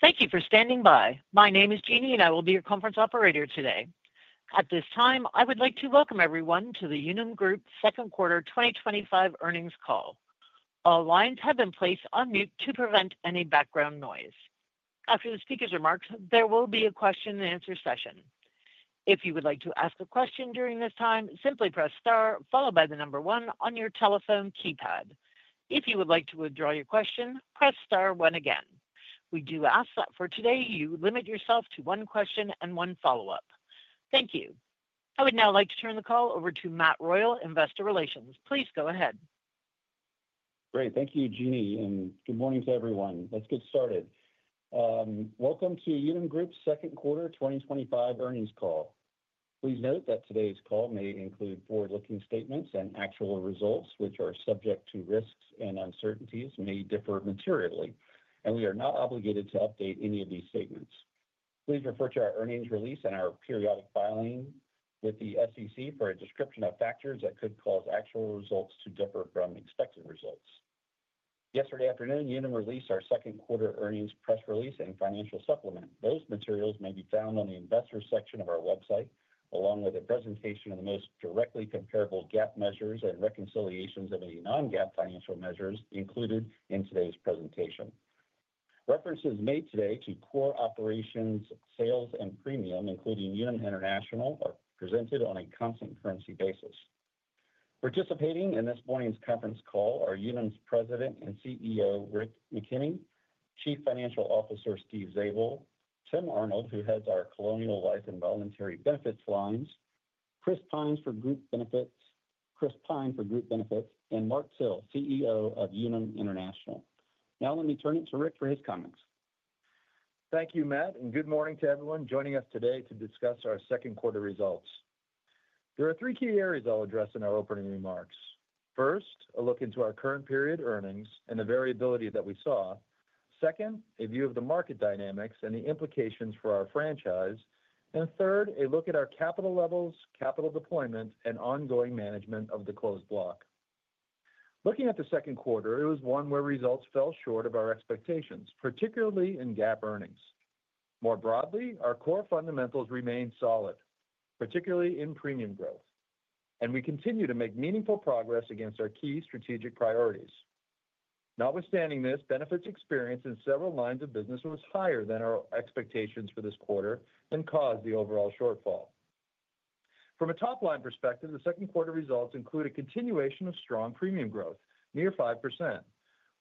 Thank you for standing by. My name is Jeannie, and I will be your conference operator today. At this time, I would like to welcome everyone to the Unum Group second quarter 2025 earnings call. All lines have been placed on mute to prevent any background noise. After the speakers are marked, there will be a question-and-answer session. If you would like to ask a question during this time, simply press star, followed by the number one on your telephone keypad. If you would like to withdraw your question, press star one again. We do ask that for today you limit yourself to one question and one follow-up. Thank you. I would now like to turn the call over to Matt Royal, Investor Relations. Please go ahead. Great. Thank you, Jeannie, and good morning to everyone. Let's get started. Welcome to Unum Group's second quarter 2025 earnings call. Please note that today's call may include forward-looking statements, and actual results, which are subject to risks and uncertainties, may differ materially, and we are not obligated to update any of these statements. Please refer to our earnings release and our periodic filing with the SEC for a description of factors that could cause actual results to differ from expected results. Yesterday afternoon, Unum released our second quarter earnings press release and financial supplement. Those materials may be found on the investor section of our website, along with a presentation of the most directly comparable GAAP measures and reconciliations of any non-GAAP financial measures included in today's presentation. References made today to core operations, sales, and premium, including Unum International, are presented on a constant currency basis. Participating in this morning's conference call are Unum's President and CEO, Rick McKenney, Chief Financial Officer, Steve Zabel, Tim Arnold, who heads our Colonial Life and Voluntary Benefits lines, Chris Pyne for Group Benefits, and Mark Till, CEO of Unum International. Now, let me turn it to Rick for his comments. Thank you, Matt, and good morning to everyone joining us today to discuss our second quarter results. There are three key areas I'll address in our opening remarks. First, a look into our current period earnings and the variability that we saw. Second, a view of the market dynamics and the implications for our franchise. Third, a look at our capital levels, capital deployment, and ongoing management of the closed block. Looking at the second quarter, it was one where results fell short of our expectations, particularly in GAAP earnings. More broadly, our core fundamentals remained solid, particularly in premium growth, and we continue to make meaningful progress against our key strategic priorities. Notwithstanding this, benefits experienced in several lines of business was higher than our expectations for this quarter and caused the overall shortfall. From a top-line perspective, the second quarter results include a continuation of strong premium growth, near 5%,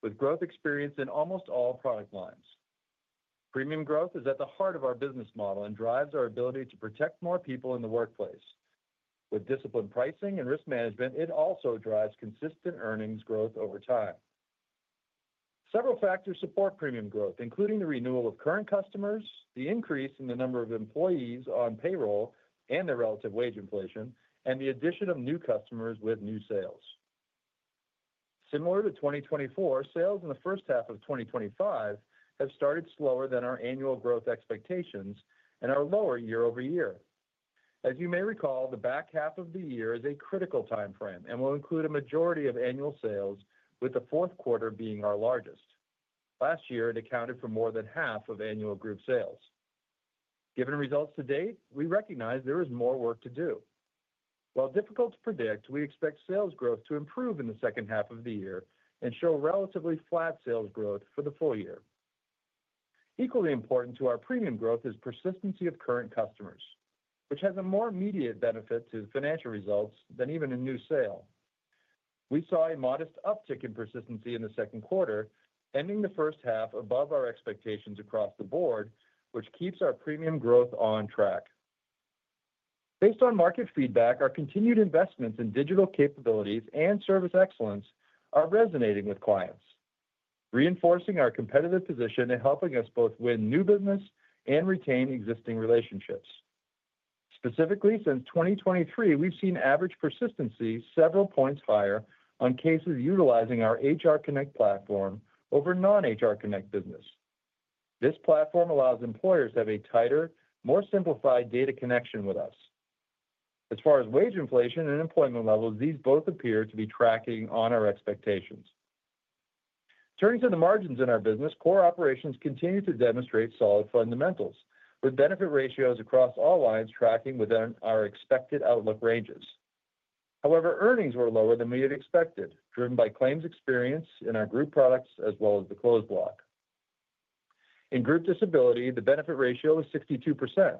with growth experienced in almost all product lines. Premium growth is at the heart of our business model and drives our ability to protect more people in the workplace. With disciplined pricing and risk management, it also drives consistent earnings growth over time. Several factors support premium growth, including the renewal of current customers, the increase in the number of employees on payroll and the relative wage inflation, and the addition of new customers with new sales. Similar to 2024, sales in the first half of 2025 have started slower than our annual growth expectations and are lower year-over-year. As you may recall, the back half of the year is a critical time frame and will include a majority of annual sales, with the fourth quarter being our largest. Last year, it accounted for more than half of annual group sales. Given results to date, we recognize there is more work to do. While difficult to predict, we expect sales growth to improve in the second half of the year and show relatively flat sales growth for the full year. Equally important to our premium growth is persistency of current customers, which has a more immediate benefit to financial results than even a new sale. We saw a modest uptick in persistency in the second quarter, ending the first half above our expectations across the board, which keeps our premium growth on track. Based on market feedback, our continued investments in digital capabilities and service excellence are resonating with clients, reinforcing our competitive position and helping us both win new business and retain existing relationships. Specifically, since 2023, we've seen average persistency several points higher on cases utilizing our HR Connect platform over non-HR Connect business. This platform allows employers to have a tighter, more simplified data connection with us. As far as wage inflation and employment levels, these both appear to be tracking on our expectations. Turning to the margins in our business, core operations continue to demonstrate solid fundamentals, with benefit ratios across all lines tracking within our expected outlook ranges. However, earnings were lower than we had expected, driven by claims experience in our group products as well as the closed block. In group disability, the benefit ratio is 62%.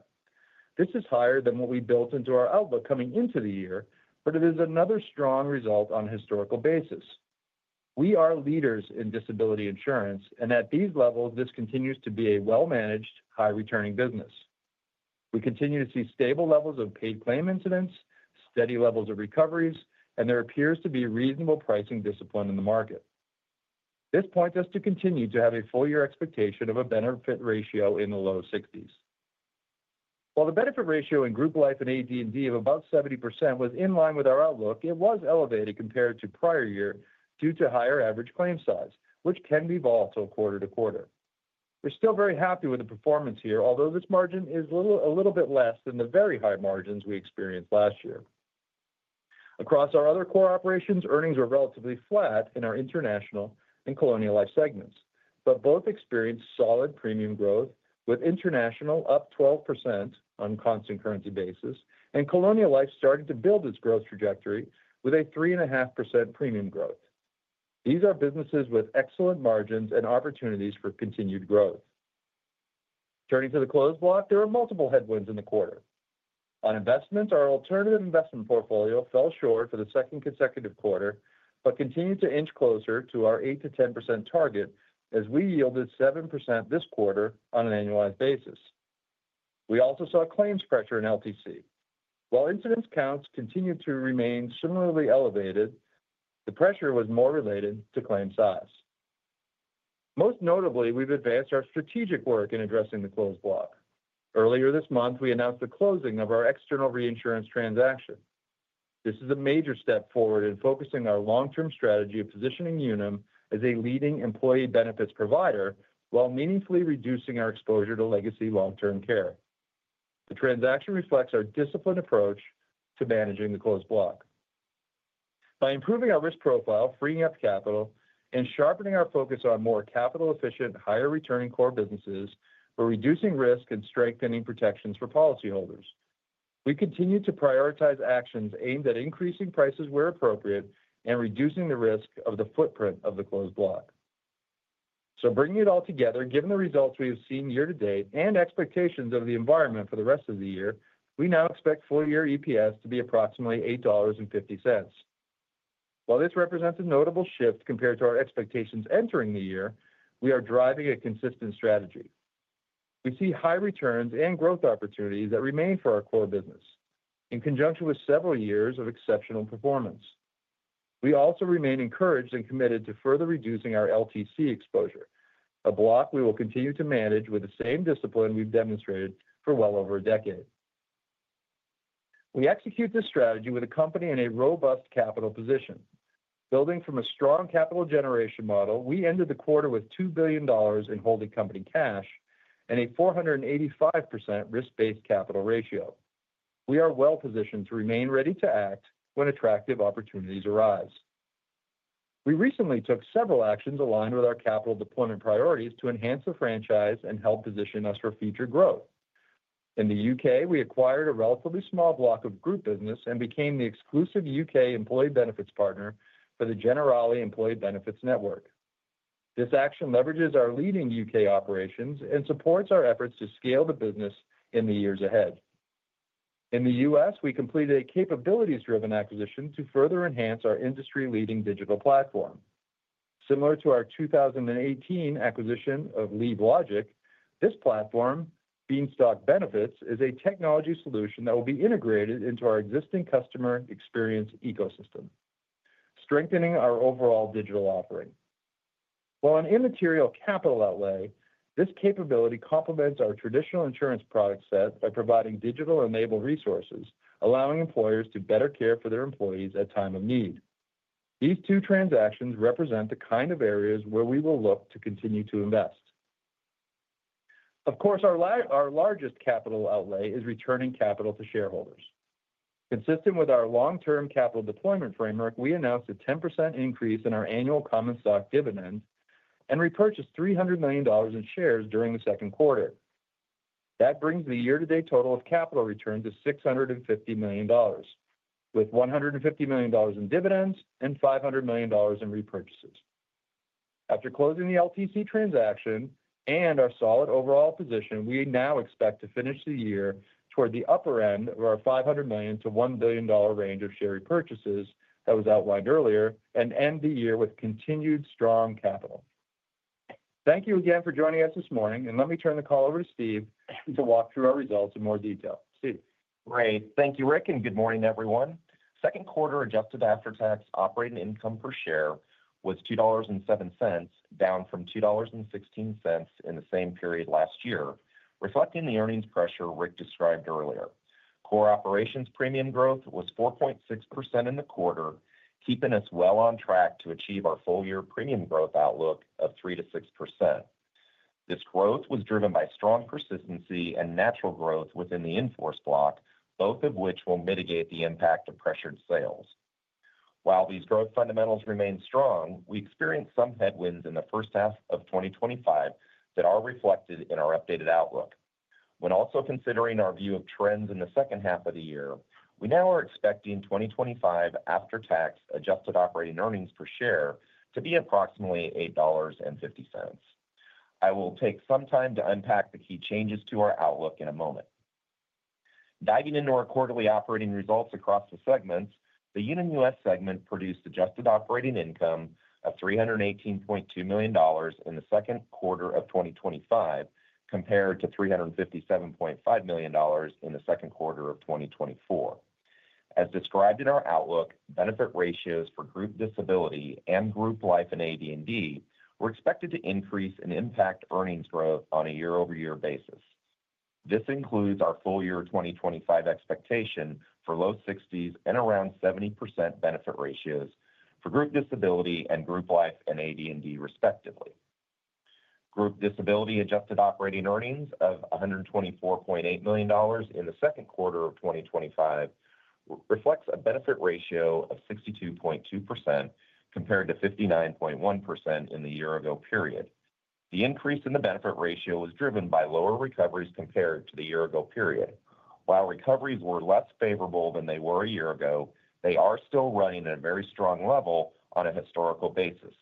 This is higher than what we built into our outlook coming into the year, but it is another strong result on a historical basis. We are leaders in disability insurance, and at these levels, this continues to be a well-managed, high-returning business. We continue to see stable levels of paid claim incidents, steady levels of recoveries, and there appears to be reasonable pricing discipline in the market. This points us to continue to have a full-year expectation of a benefit ratio in the low 60s. While the benefit ratio in group life and AD&D of about 70% was in line with our outlook, it was elevated compared to prior year due to higher average claim size, which can be volatile quarter to quarter. We're still very happy with the performance here, although this margin is a little bit less than the very high margins we experienced last year. Across our other core operations, earnings were relatively flat in our international and Colonial Life segments, but both experienced solid premium growth, with international up 12% on a constant currency basis, and Colonial Life started to build its growth trajectory with a 3.5% premium growth. These are businesses with excellent margins and opportunities for continued growth. Turning to the closed block, there were multiple headwinds in the quarter. On investments, our alternative investment portfolio fell short for the second consecutive quarter but continued to inch closer to our 8-10% target as we yielded 7% this quarter on an annualized basis. We also saw claims pressure in LTC. While incident counts continued to remain similarly elevated, the pressure was more related to claim size. Most notably, we've advanced our strategic work in addressing the closed block. Earlier this month, we announced the closing of our external reinsurance transaction. This is a major step forward in focusing our long-term strategy of positioning Unum as a leading employee benefits provider while meaningfully reducing our exposure to legacy long-term care. The transaction reflects our disciplined approach to managing the closed block. By improving our risk profile, freeing up capital, and sharpening our focus on more capital-efficient, higher-returning core businesses, we're reducing risk and strengthening protections for policyholders. We continue to prioritize actions aimed at increasing prices where appropriate and reducing the risk of the footprint of the closed block. Bringing it all together, given the results we have seen year to date and expectations of the environment for the rest of the year, we now expect full-year EPS to be approximately $8.50. While this represents a notable shift compared to our expectations entering the year, we are driving a consistent strategy. We see high returns and growth opportunities that remain for our core business, in conjunction with several years of exceptional performance. We also remain encouraged and committed to further reducing our LTC exposure, a block we will continue to manage with the same discipline we've demonstrated for well over a decade. We execute this strategy with a company in a robust capital position. Building from a strong capital generation model, we ended the quarter with $2 billion in holding company cash and a 485% risk-based capital ratio. We are well-positioned to remain ready to act when attractive opportunities arise. We recently took several actions aligned with our capital deployment priorities to enhance the franchise and help position us for future growth. In the U.K., we acquired a relatively small block of group business and became the exclusive U.K. employee benefits partner for the Generali Employee Benefits Network. This action leverages our leading U.K. operations and supports our efforts to scale the business in the years ahead. In the U.S., we completed a capabilities-driven acquisition to further enhance our industry-leading digital platform. Similar to our 2018 acquisition of LeaveLogic, this platform, Beanstalk Benefits, is a technology solution that will be integrated into our existing customer experience ecosystem, strengthening our overall digital offering. While an immaterial capital outlay, this capability complements our traditional insurance product set by providing digital-enabled resources, allowing employers to better care for their employees at time of need. These two transactions represent the kind of areas where we will look to continue to invest. Of course, our largest capital outlay is returning capital to shareholders. Consistent with our long-term capital deployment framework, we announced a 10% increase in our annual common stock dividend and repurchased $300 million in shares during the second quarter. That brings the year-to-date total of capital return to $650 million, with $150 million in dividends and $500 million in repurchases. After closing the LTC transaction and our solid overall position, we now expect to finish the year toward the upper end of our $500 million-$1 billion range of share repurchases that was outlined earlier and end the year with continued strong capital. Thank you again for joining us this morning, and let me turn the call over to Steve to walk through our results in more detail. Steve. Great. Thank you, Rick, and good morning, everyone. Second quarter adjusted after-tax operating income per share was $2.07, down from $2.16 in the same period last year, reflecting the earnings pressure Rick described earlier. Core operations premium growth was 4.6% in the quarter, keeping us well on track to achieve our full-year premium growth outlook of 3-6%. This growth was driven by strong persistency and natural growth within the in-force block, both of which will mitigate the impact of pressured sales. While these growth fundamentals remain strong, we experienced some headwinds in the first half of 2025 that are reflected in our updated outlook. When also considering our view of trends in the second half of the year, we now are expecting 2025 after-tax adjusted operating earnings per share to be approximately $8.50. I will take some time to unpack the key changes to our outlook in a moment. Diving into our quarterly operating results across the segments, the Unum US segment produced adjusted operating income of $318.2 million in the second quarter of 2025 compared to $357.5 million in the second quarter of 2024. As described in our outlook, benefit ratios for group disability and group life and AD&D were expected to increase and impact earnings growth on a year-over-year basis. This includes our full-year 2025 expectation for low 60s and around 70% benefit ratios for group disability and group life and AD&D, respectively. Group disability adjusted operating earnings of $124.8 million in the second quarter of 2025 reflects a benefit ratio of 62.2% compared to 59.1% in the year-ago period. The increase in the benefit ratio was driven by lower recoveries compared to the year-ago period. While recoveries were less favorable than they were a year ago, they are still running at a very strong level on a historical basis.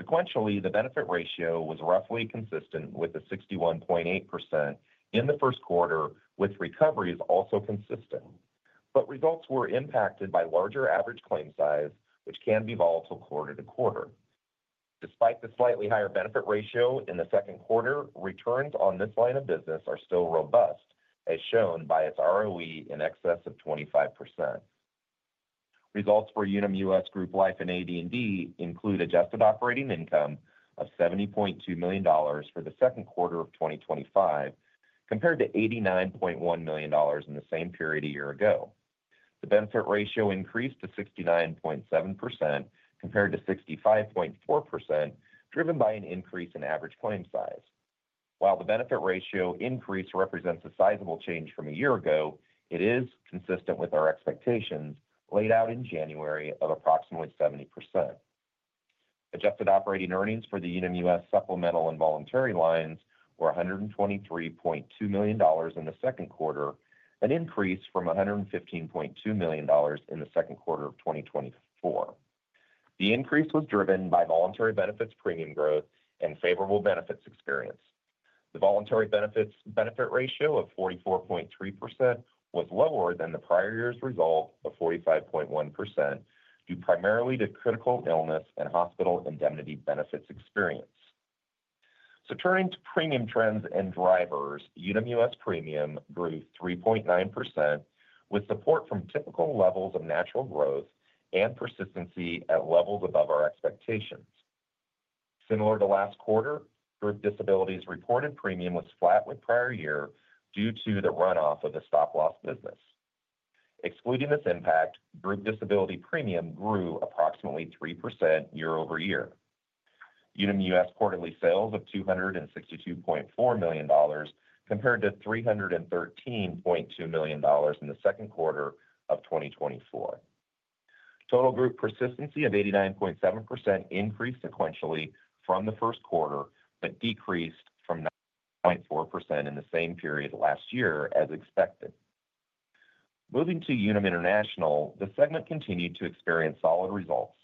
Sequentially, the benefit ratio was roughly consistent with the 61.8% in the first quarter, with recoveries also consistent, but results were impacted by larger average claim size, which can be volatile quarter to quarter. Despite the slightly higher benefit ratio in the second quarter, returns on this line of business are still robust, as shown by its ROE in excess of 25%. Results for Unum US group life and AD&D include adjusted operating income of $70.2 million for the second quarter of 2025 compared to $89.1 million in the same period a year ago. The benefit ratio increased to 69.7% compared to 65.4%, driven by an increase in average claim size. While the benefit ratio increase represents a sizable change from a year ago, it is consistent with our expectations laid out in January of approximately 70%. Adjusted operating earnings for the Unum US supplemental and voluntary lines were $123.2 million in the second quarter, an increase from $115.2 million in the second quarter of 2024. The increase was driven by voluntary benefits premium growth and favorable benefits experience. The voluntary benefits benefit ratio of 44.3% was lower than the prior year's result of 45.1% due primarily to critical illness and hospital indemnity benefits experience. Turning to premium trends and drivers, Unum US premium grew 3.9% with support from typical levels of natural growth and persistency at levels above our expectations. Similar to last quarter, group disability's reported premium was flat with prior year due to the runoff of the stop-loss business. Excluding this impact, group disability premium grew approximately 3% year-over-year. Unum US quarterly sales of $262.4 million compared to $313.2 million in the second quarter of 2024. Total group persistency of 89.7% increased sequentially from the first quarter but decreased from 94% in the same period last year, as expected. Moving to Unum International, the segment continued to experience solid results.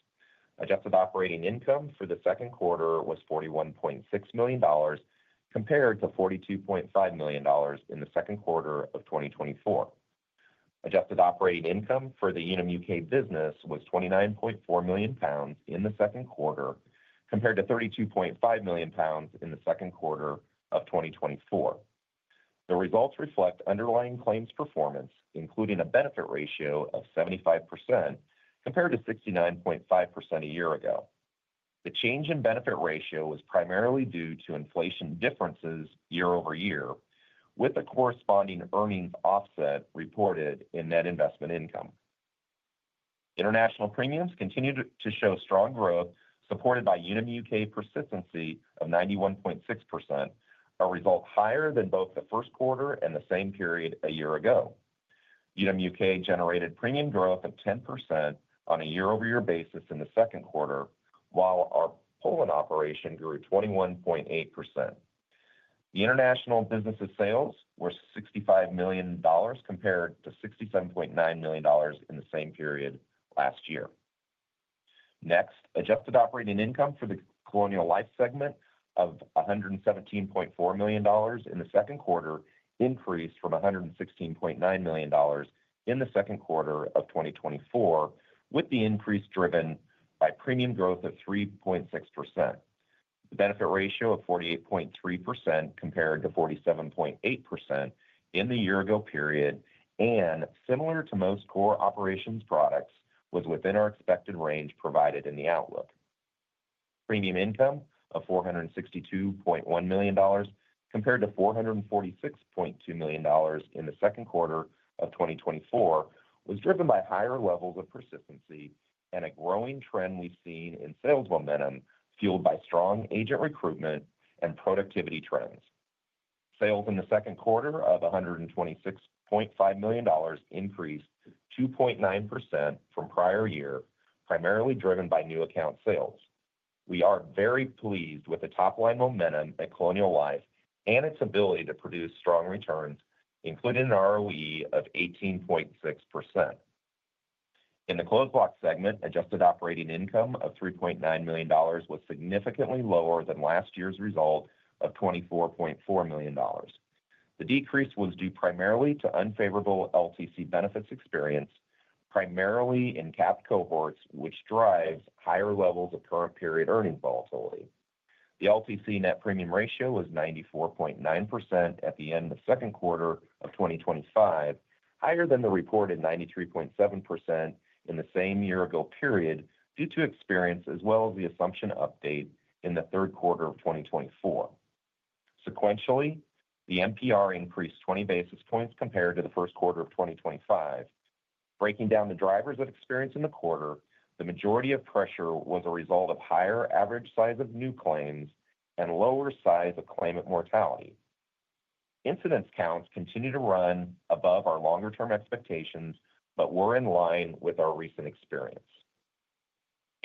Adjusted operating income for the second quarter was $41.6 million compared to $42.5 million in the second quarter of 2024. Adjusted operating income for the Unum UK business was 29.4 million pounds in the second quarter compared to 32.5 million pounds in the second quarter of 2024. The results reflect underlying claims performance, including a benefit ratio of 75% compared to 69.5% a year ago. The change in benefit ratio was primarily due to inflation differences year-over-year, with a corresponding earnings offset reported in net investment income. International premiums continued to show strong growth, supported by Unum UK persistency of 91.6%, a result higher than both the first quarter and the same period a year ago. Unum UK generated premium growth of 10% on a year-over-year basis in the second quarter, while our Poland operation grew 21.8%. The international business's sales were $65 million compared to $67.9 million in the same period last year. Next, adjusted operating income for the Colonial Life segment of $117.4 million in the second quarter increased from $116.9 million in the second quarter of 2024, with the increase driven by premium growth of 3.6%. The benefit ratio of 48.3% compared to 47.8% in the year-ago period, and similar to most core operations products, was within our expected range provided in the outlook. Premium income of $462.1 million compared to $446.2 million in the second quarter of 2024 was driven by higher levels of persistency and a growing trend we've seen in sales momentum fueled by strong agent recruitment and productivity trends. Sales in the second quarter of $126.5 million increased 2.9% from prior year, primarily driven by new account sales. We are very pleased with the top-line momentum at Colonial Life and its ability to produce strong returns, including an ROE of 18.6%. In the closed block segment, adjusted operating income of $3.9 million was significantly lower than last year's result of $24.4 million. The decrease was due primarily to unfavorable LTC benefits experience, primarily in cap cohorts, which drives higher levels of current period earnings volatility. The LTC net premium ratio was 94.9% at the end of the second quarter of 2025, higher than the reported 93.7% in the same year-ago period due to experience as well as the assumption update in the third quarter of 2024. Sequentially, the MPR increased 20 basis points compared to the first quarter of 2025. Breaking down the drivers of experience in the quarter, the majority of pressure was a result of higher average size of new claims and lower size of claimant mortality. Incidence counts continue to run above our longer-term expectations but were in line with our recent experience.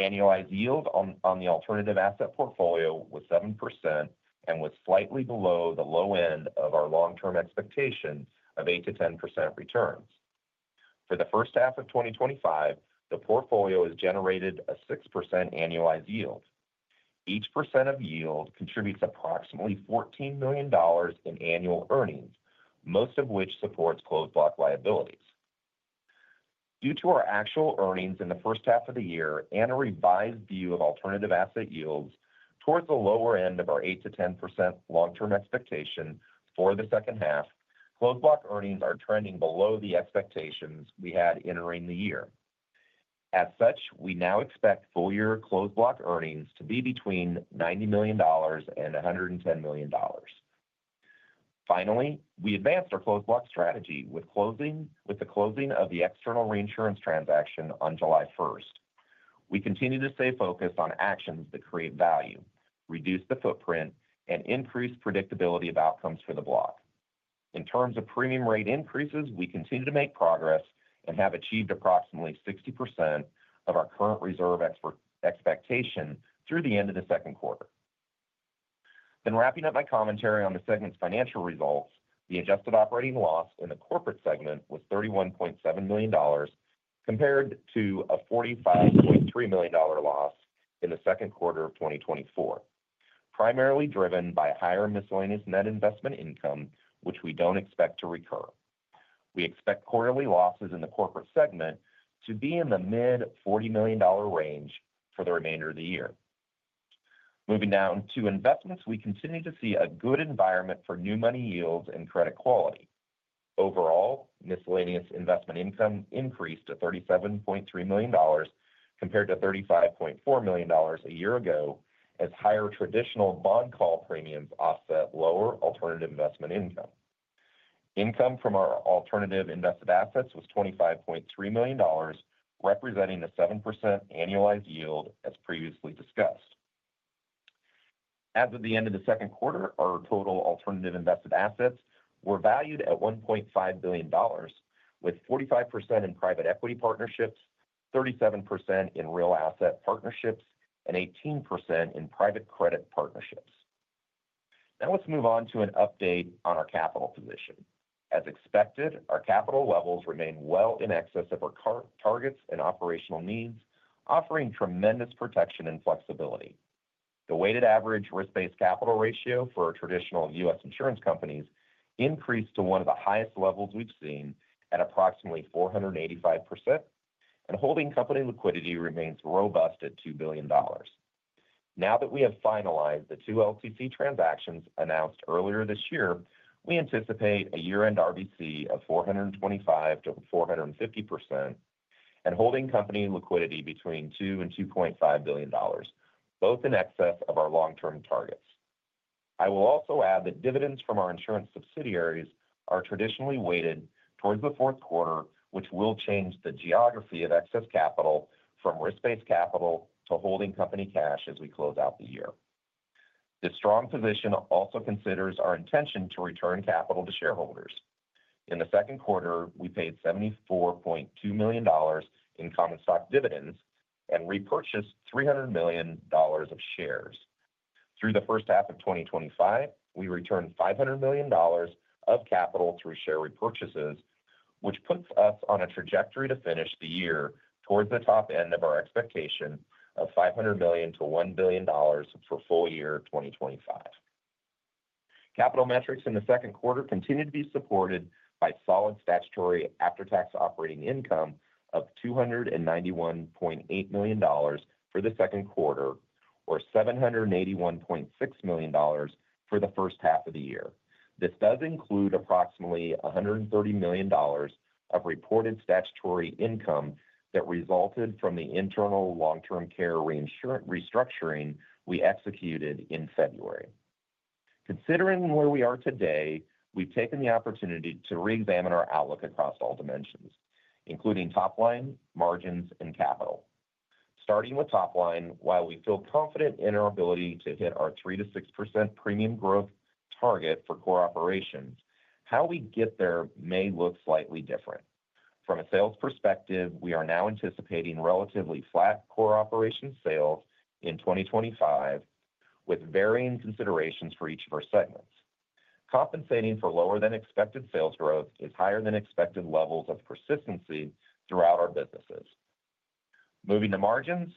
Annualized yield on the alternative asset portfolio was 7% and was slightly below the low end of our long-term expectation of 8-10% returns. For the first half of 2025, the portfolio has generated a 6% annualized yield. Each percent of yield contributes approximately $14 million in annual earnings, most of which supports closed block liabilities. Due to our actual earnings in the first half of the year and a revised view of alternative asset yields towards the lower end of our 8-10% long-term expectation for the second half, closed block earnings are trending below the expectations we had entering the year. As such, we now expect full-year closed block earnings to be between $90 million and $110 million. Finally, we advanced our closed block strategy with the closing of the external reinsurance transaction on July 1. We continue to stay focused on actions that create value, reduce the footprint, and increase predictability of outcomes for the block. In terms of premium rate increases, we continue to make progress and have achieved approximately 60% of our current reserve expectation through the end of the second quarter. Wrapping up my commentary on the segment's financial results, the adjusted operating loss in the corporate segment was $31.7 million compared to a $45.3 million loss in the second quarter of 2024, primarily driven by higher miscellaneous net investment income, which we do not expect to recur. We expect quarterly losses in the corporate segment to be in the mid-$40 million range for the remainder of the year. Moving down to investments, we continue to see a good environment for new money yields and credit quality. Overall, miscellaneous investment income increased to $37.3 million compared to $35.4 million a year ago, as higher traditional bond call premiums offset lower alternative investment income. Income from our alternative invested assets was $25.3 million, representing a 7% annualized yield, as previously discussed. As of the end of the second quarter, our total alternative invested assets were valued at $1.5 billion, with 45% in private equity partnerships, 37% in real asset partnerships, and 18% in private credit partnerships. Now, let's move on to an update on our capital position. As expected, our capital levels remain well in excess of our targets and operational needs, offering tremendous protection and flexibility. The weighted average risk-based capital ratio for our traditional US insurance companies increased to one of the highest levels we have seen at approximately 485%, and holding company liquidity remains robust at $2 billion. Now that we have finalized the two long-term care transactions announced earlier this year, we anticipate a year-end risk-based capital ratio of 425-450% and holding company liquidity between $2 billion and $2.5 billion, both in excess of our long-term targets. I will also add that dividends from our insurance subsidiaries are traditionally weighted towards the fourth quarter, which will change the geography of excess capital from risk-based capital to holding company cash as we close out the year. This strong position also considers our intention to return capital to shareholders. In the second quarter, we paid $74.2 million in common stock dividends and repurchased $300 million of shares. Through the first half of 2025, we returned $500 million of capital through share repurchases, which puts us on a trajectory to finish the year towards the top end of our expectation of $500 million-$1 billion for full year 2025. Capital metrics in the second quarter continue to be supported by solid statutory after-tax operating income of $291.8 million for the second quarter, or $781.6 million for the first half of the year. This does include approximately $130 million of reported statutory income that resulted from the internal long-term care restructuring we executed in February. Considering where we are today, we've taken the opportunity to re-examine our outlook across all dimensions, including top line, margins, and capital. Starting with top line, while we feel confident in our ability to hit our 3%-6% premium growth target for core operations, how we get there may look slightly different. From a sales perspective, we are now anticipating relatively flat core operations sales in 2025, with varying considerations for each of our segments. Compensating for lower-than-expected sales growth is higher-than-expected levels of persistency throughout our businesses. Moving to margins,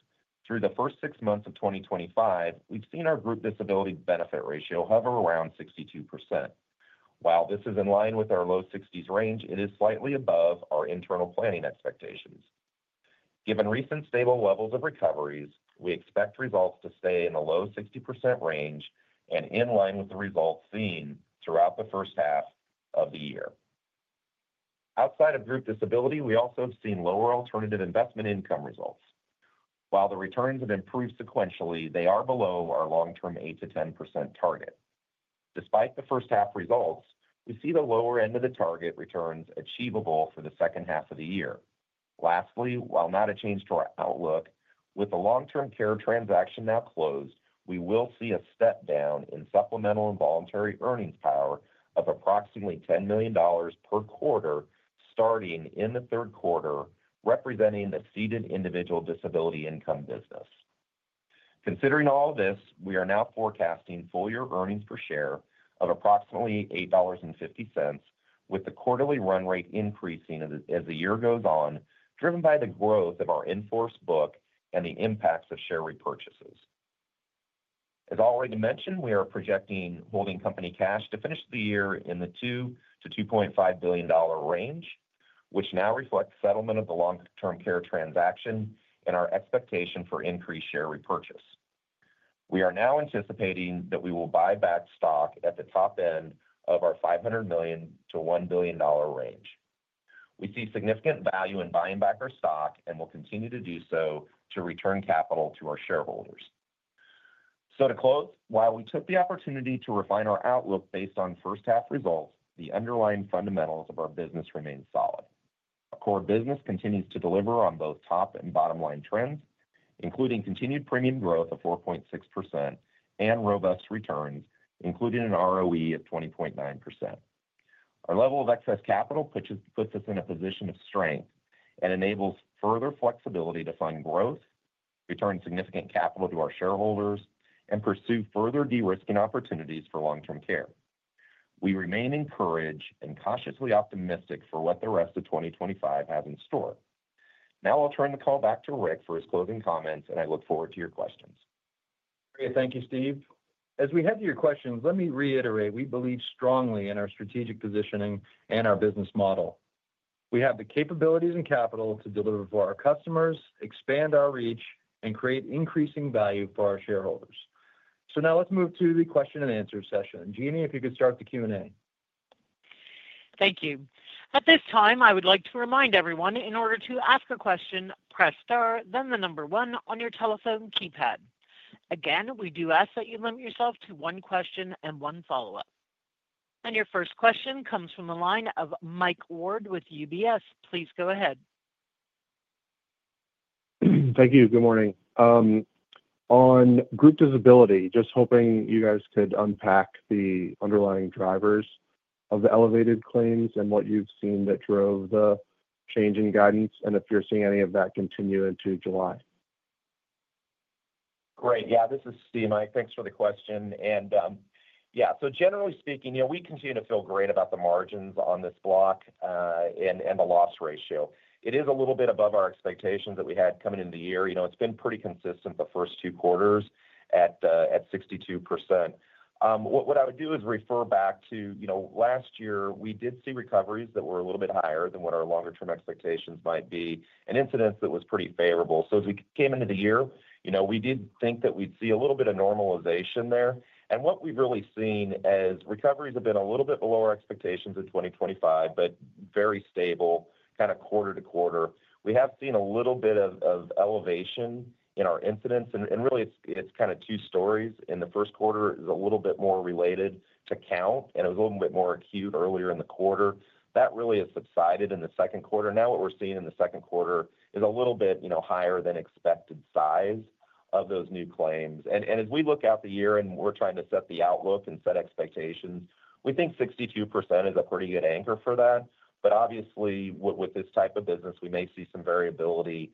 through the first six months of 2025, we've seen our group disability benefit ratio hover around 62%. While this is in line with our low 60% range, it is slightly above our internal planning expectations. Given recent stable levels of recoveries, we expect results to stay in the low 60% range and in line with the results seen throughout the first half of the year. Outside of group disability, we also have seen lower alternative investment income results. While the returns have improved sequentially, they are below our long-term 8%-10% target. Despite the first half results, we see the lower end of the target returns achievable for the second half of the year. Lastly, while not a change to our outlook, with the long-term care transaction now closed, we will see a step down in supplemental involuntary earnings power of approximately $10 million per quarter starting in the third quarter, representing the ceded individual disability income business. Considering all of this, we are now forecasting full-year earnings per share of approximately $8.50, with the quarterly run rate increasing as the year goes on, driven by the growth of our enforced book and the impacts of share repurchases. As already mentioned, we are projecting holding company cash to finish the year in the $2 billion-$2.5 billion range, which now reflects settlement of the long-term care transaction and our expectation for increased share repurchase. We are now anticipating that we will buy back stock at the top end of our $500 million-$1 billion range. We see significant value in buying back our stock and will continue to do so to return capital to our shareholders. To close, while we took the opportunity to refine our outlook based on first-half results, the underlying fundamentals of our business remain solid. Our core business continues to deliver on both top and bottom-line trends, including continued premium growth of 4.6% and robust returns, including an ROE of 20.9%. Our level of excess capital puts us in a position of strength and enables further flexibility to find growth, return significant capital to our shareholders, and pursue further de-risking opportunities for long-term care. We remain encouraged and cautiously optimistic for what the rest of 2025 has in store. Now, I'll turn the call back to Rick for his closing comments, and I look forward to your questions. Great. Thank you, Steve. As we head to your questions, let me reiterate we believe strongly in our strategic positioning and our business model. We have the capabilities and capital to deliver for our customers, expand our reach, and create increasing value for our shareholders. Now let's move to the question-and-answer session. Jeannie, if you could start the Q&A. Thank you. At this time, I would like to remind everyone, in order to ask a question, press star, then the number one on your telephone keypad. Again, we do ask that you limit yourself to one question and one follow-up. Your first question comes from the line of Mike Ward with UBS. Please go ahead. Thank you. Good morning. On group disability, just hoping you guys could unpack the underlying drivers of the elevated claims and what you've seen that drove the change in guidance and if you're seeing any of that continue into July. Great. Yeah, this is Steve. Thanks for the question. Yeah, so generally speaking, we continue to feel great about the margins on this block. And the loss ratio. It is a little bit above our expectations that we had coming into the year. It's been pretty consistent the first two quarters at 62%. What I would do is refer back to last year, we did see recoveries that were a little bit higher than what our longer-term expectations might be and incidence that was pretty favorable. As we came into the year, we did think that we'd see a little bit of normalization there. What we've really seen is recoveries have been a little bit below our expectations in 2025, but very stable, kind of quarter to quarter. We have seen a little bit of elevation in our incidence. Really, it's kind of two stories. In the first quarter, it was a little bit more related to count, and it was a little bit more acute earlier in the quarter. That really has subsided in the second quarter. Now what we're seeing in the second quarter is a little bit higher-than-expected size of those new claims. As we look out the year and we're trying to set the outlook and set expectations, we think 62% is a pretty good anchor for that. Obviously, with this type of business, we may see some variability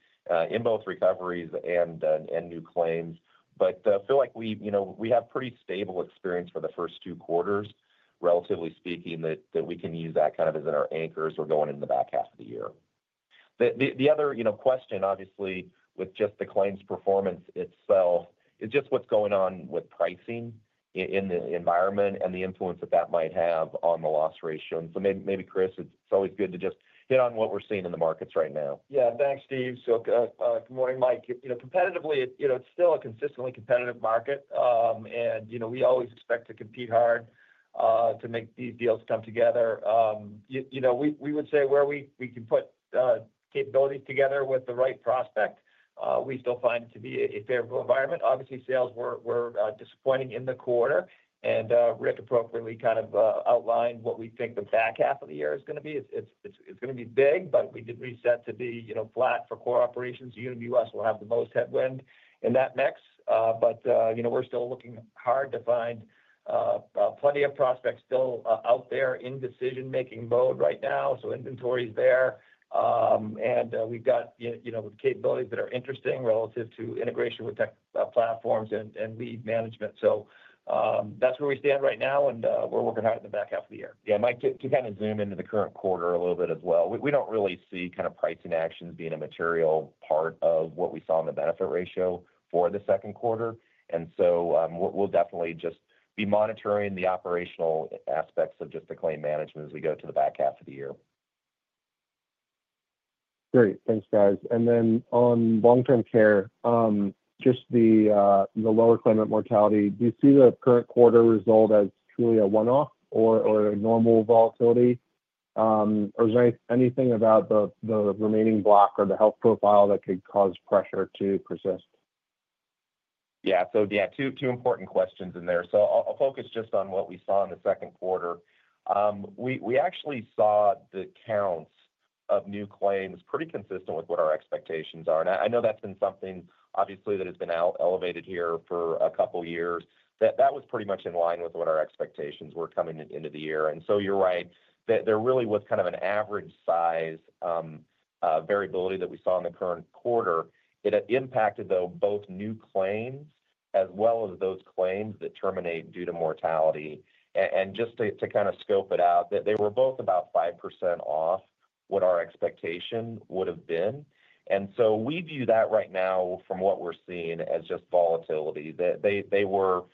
in both recoveries and new claims. I feel like we have pretty stable experience for the first two quarters, relatively speaking, that we can use that kind of as our anchors for going into the back half of the year. The other question, obviously, with just the claims performance itself, is just what's going on with pricing in the environment and the influence that that might have on the loss ratio. Maybe, Chris, it's always good to just hit on what we're seeing in the markets right now. Yeah, thanks, Steve. Good morning, Mike. Competitively, it's still a consistently competitive market. We always expect to compete hard to make these deals come together. We would say where we can put capabilities together with the right prospect, we still find it to be a favorable environment. Obviously, sales were disappointing in the quarter. Rick appropriately kind of outlined what we think the back half of the year is going to be. It's going to be big, but we did reset to be flat for core operations. Unum US will have the most headwind in that mix. We're still looking hard to find. Plenty of prospects still out there in decision-making mode right now. Inventory is there. We've got capabilities that are interesting relative to integration with tech platforms and lead management. So that's where we stand right now, and we're working hard in the back half of the year. Yeah, Mike, to kind of zoom into the current quarter a little bit as well, we don't really see kind of pricing actions being a material part of what we saw in the benefit ratio for the second quarter. We'll definitely just be monitoring the operational aspects of just the claim management as we go to the back half of the year. Great. Thanks, guys. And then on long-term care, just the lower claimant mortality, do you see the current quarter result as truly a one-off or a normal volatility? Or is there anything about the remaining block or the health profile that could cause pressure to persist? Yeah. Two important questions in there. I'll focus just on what we saw in the second quarter. We actually saw the counts of new claims pretty consistent with what our expectations are. I know that's been something, obviously, that has been elevated here for a couple of years. That was pretty much in line with what our expectations were coming into the year. You're right that there really was kind of an average size variability that we saw in the current quarter. It impacted, though, both new claims as well as those claims that terminate due to mortality. Just to kind of scope it out, they were both about 5% off what our expectation would have been. We view that right now from what we're seeing as just volatility. They were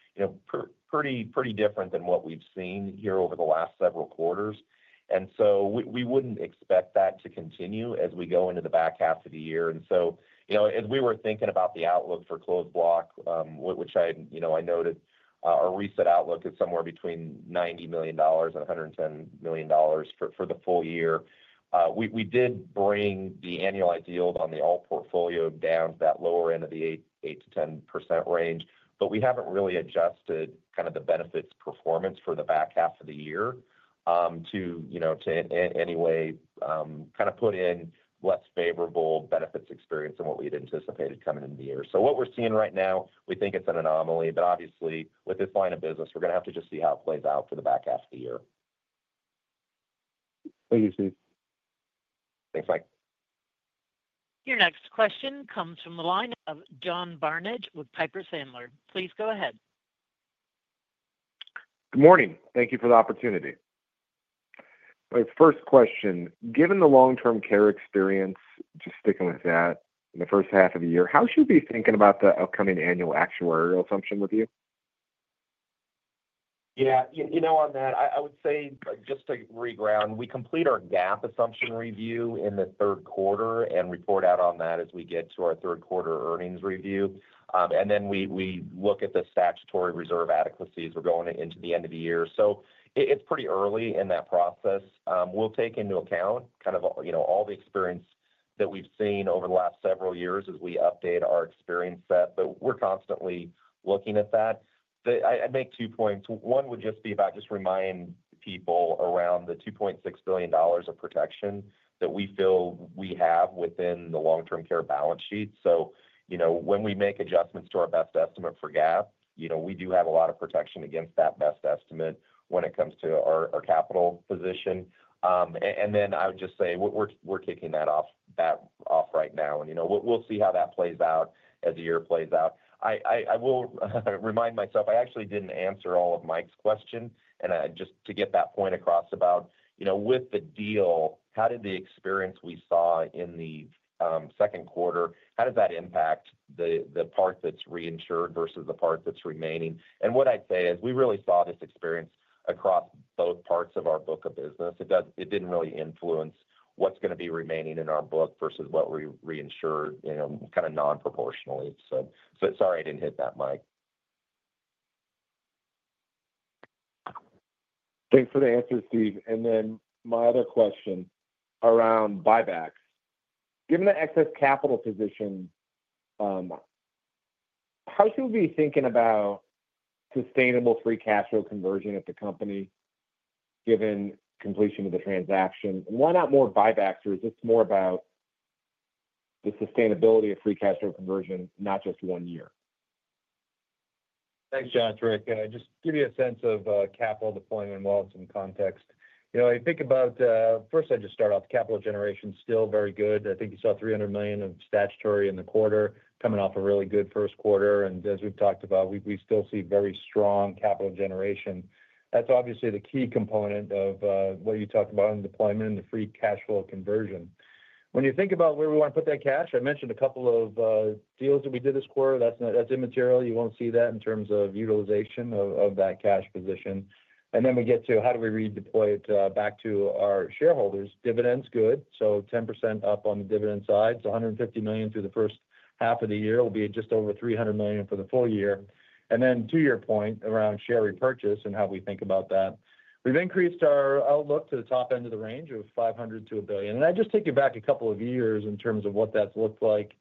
pretty different than what we've seen here over the last several quarters. We wouldn't expect that to continue as we go into the back half of the year. As we were thinking about the outlook for closed block, which I noted, our reset outlook is somewhere between $90 million and $110 million for the full year. We did bring the annualized yield on the all portfolio down to that lower end of the 8-10% range, but we haven't really adjusted kind of the benefits performance for the back half of the year to in any way kind of put in less favorable benefits experience than what we had anticipated coming into the year. What we're seeing right now, we think it's an anomaly. Obviously, with this line of business, we're going to have to just see how it plays out for the back half of the year. Thank you, Steve. Thanks, Mike. Your next question comes from the line of John Barnidge with Piper Sandler. Please go ahead. Good morning. Thank you for the opportunity. My first question, given the long-term care experience, just sticking with that, in the first half of the year, how should we be thinking about the upcoming annual actuarial assumption review? Yeah. On that, I would say just to reground, we complete our GAAP assumption review in the third quarter and report out on that as we get to our third-quarter earnings review. We look at the statutory reserve adequacy as we are going into the end of the year. It is pretty early in that process. We will take into account kind of all the experience that we have seen over the last several years as we update our experience set, but we are constantly looking at that. I would make two points. One would just be about just reminding people around the $2.6 billion of protection that we feel we have within the long-term care balance sheet. When we make adjustments to our best estimate for GAAP, we do have a lot of protection against that best estimate when it comes to our capital position. I would just say we are kicking that off right now. We will see how that plays out as the year plays out. I will remind myself I actually did not answer all of Mike's question. Just to get that point across about with the deal, how did the experience we saw in the second quarter, how does that impact the part that is reinsured versus the part that is remaining? What I would say is we really saw this experience across both parts of our book of business. It did not really influence what is going to be remaining in our book versus what we reinsured kind of non-proportionally. Sorry I did not hit that, Mike. Thanks for the answer, Steve. My other question around buybacks. Given the excess capital position, how should we be thinking about sustainable free cash flow conversion at the company, given completion of the transaction? Why not more buybacks, or is this more about the sustainability of free cash flow conversion, not just one year? Thanks, Josh. Rick, just to give you a sense of capital deployment while in some context. I think about first, I just start off. Capital generation is still very good. I think you saw $300 million of statutory in the quarter coming off a really good first quarter. As we have talked about, we still see very strong capital generation. That is obviously the key component of what you talked about in deployment and the free cash flow conversion. When you think about where we want to put that cash, I mentioned a couple of deals that we did this quarter. That is immaterial. You will not see that in terms of utilization of that cash position. Then we get to how do we redeploy it back to our shareholders? Dividends, good. So 10% up on the dividend side. So $150 million through the first half of the year will be just over $300 million for the full year. To your point around share repurchase and how we think about that, we have increased our outlook to the top end of the range of $500 million-$1 billion. I just take you back a couple of years in terms of what that has looked like.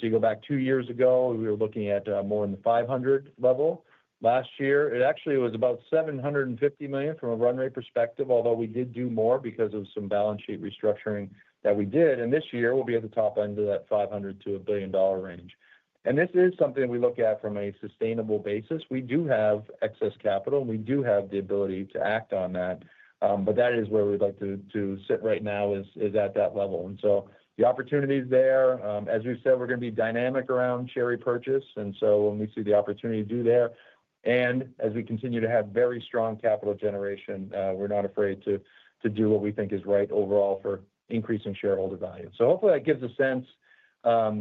You go back two years ago, we were looking at more in the $500 million level. Last year, it actually was about $750 million from a runway perspective, although we did do more because of some balance sheet restructuring that we did. This year, we will be at the top end of that $500 million-$1 billion range. This is something we look at from a sustainable basis. We do have excess capital, and we do have the ability to act on that. That is where we would like to sit right now is at that level. The opportunities there, as we have said, we are going to be dynamic around share repurchase. When we see the opportunity to do there, and as we continue to have very strong capital generation, we are not afraid to do what we think is right overall for increasing shareholder value. Hopefully, that gives a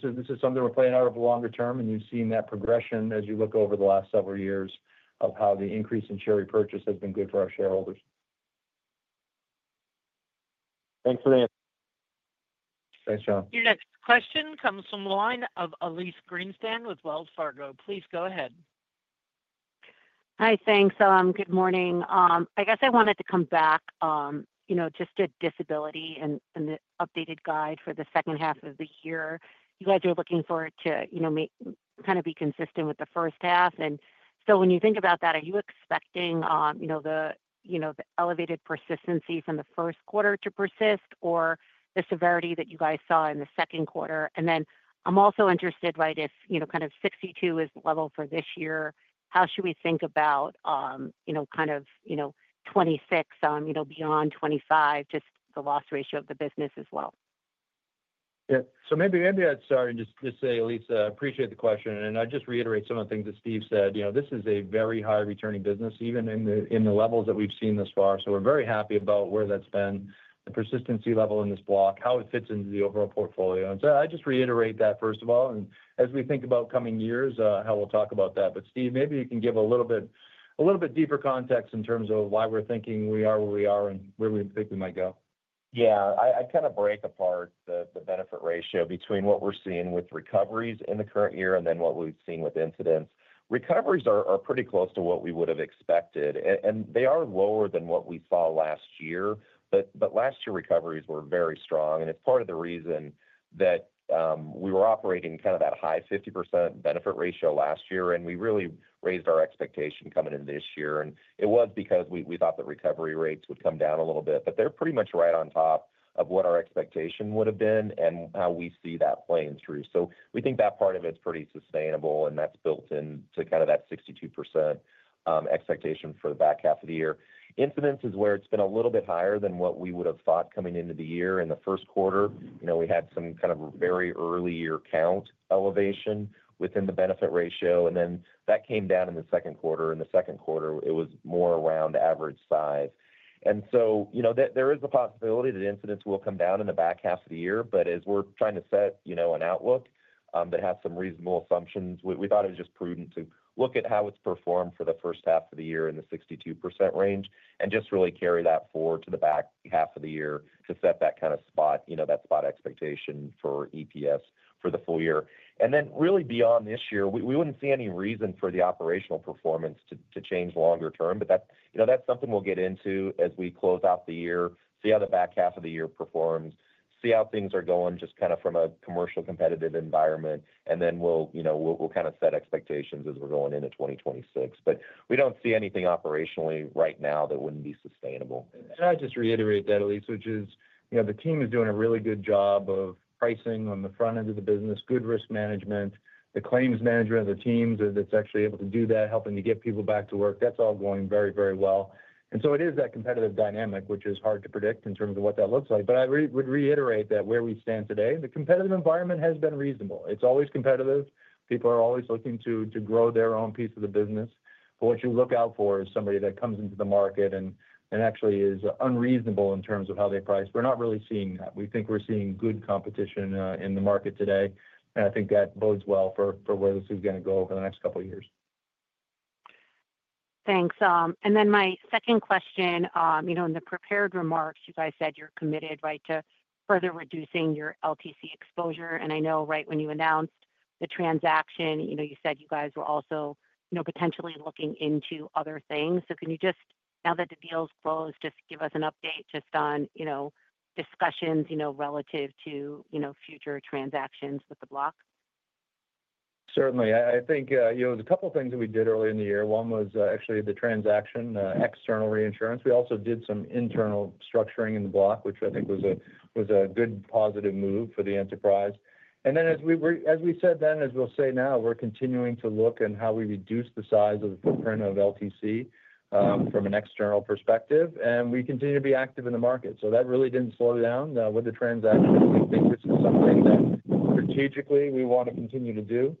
sense. This is something we are playing out over the longer term, and you have seen that progression as you look over the last several years of how the increase in share repurchase has been good for our shareholders. Thanks for the answer. Thanks, John. Your next question comes from the line of Elyse Greenspan with Wells Fargo. Please go ahead. Hi, thanks. Good morning. I guess I wanted to come back just to disability and the updated guide for the second half of the year. You guys are looking for it to kind of be consistent with the first half. When you think about that, are you expecting the elevated persistency from the first quarter to persist or the severity that you guys saw in the second quarter? I am also interested, right, if kind of 62 is the level for this year, how should we think about kind of 26 beyond 25, just the loss ratio of the business as well? Yeah. Maybe I would start and just say, Elyse, I appreciate the question. I would just reiterate some of the things that Steve said. This is a very high-returning business, even in the levels that we've seen thus far. We are very happy about where that's been, the persistency level in this block, how it fits into the overall portfolio. I would just reiterate that, first of all. As we think about coming years, how we'll talk about that. Steve, maybe you can give a little bit deeper context in terms of why we're thinking we are where we are and where we think we might go. Yeah. I'd kind of break apart the benefit ratio between what we're seeing with recoveries in the current year and then what we've seen with incidents. Recoveries are pretty close to what we would have expected. They are lower than what we saw last year. Last year, recoveries were very strong. It is part of the reason that we were operating kind of that high 50% benefit ratio last year. We really raised our expectation coming into this year. It was because we thought the recovery rates would come down a little bit. They are pretty much right on top of what our expectation would have been and how we see that playing through. We think that part of it's pretty sustainable, and that's built into kind of that 62% expectation for the back half of the year. Incidents is where it's been a little bit higher than what we would have thought coming into the year. In the first quarter, we had some kind of very early year count elevation within the benefit ratio. That came down in the second quarter. In the second quarter, it was more around average size. There is the possibility that incidents will come down in the back half of the year. As we are trying to set an outlook that has some reasonable assumptions, we thought it was just prudent to look at how it's performed for the first half of the year in the 62% range and just really carry that forward to the back half of the year to set that kind of spot, that spot expectation for EPS for the full year. Really beyond this year, we would not see any reason for the operational performance to change longer term. That is something we'll get into as we close out the year, see how the back half of the year performs, see how things are going just kind of from a commercial competitive environment. We will kind of set expectations as we're going into 2026. We do not see anything operationally right now that would not be sustainable. I'd just reiterate that, Elyse, which is the team is doing a really good job of pricing on the front end of the business, good risk management, the claims management of the teams that's actually able to do that, helping to get people back to work. That's all going very, very well. It is that competitive dynamic, which is hard to predict in terms of what that looks like. I would reiterate that where we stand today, the competitive environment has been reasonable. It's always competitive. People are always looking to grow their own piece of the business. What you look out for is somebody that comes into the market and actually is unreasonable in terms of how they price. We're not really seeing that. We think we're seeing good competition in the market today. I think that bodes well for where this is going to go over the next couple of years. Thanks. Then my second question, in the prepared remarks, you guys said you're committed, right, to further reducing your LTC exposure. I know, right, when you announced the transaction, you said you guys were also potentially looking into other things. Can you just, now that the deal's closed, just give us an update just on discussions relative to future transactions with the block? Certainly. I think there's a couple of things that we did early in the year. One was actually the transaction, external reinsurance. We also did some internal structuring in the block, which I think was a good positive move for the enterprise. As we said then, as we'll say now, we're continuing to look at how we reduce the size of the footprint of LTC from an external perspective. We continue to be active in the market. That really didn't slow down with the transaction. We think this is something that, strategically, we want to continue to do.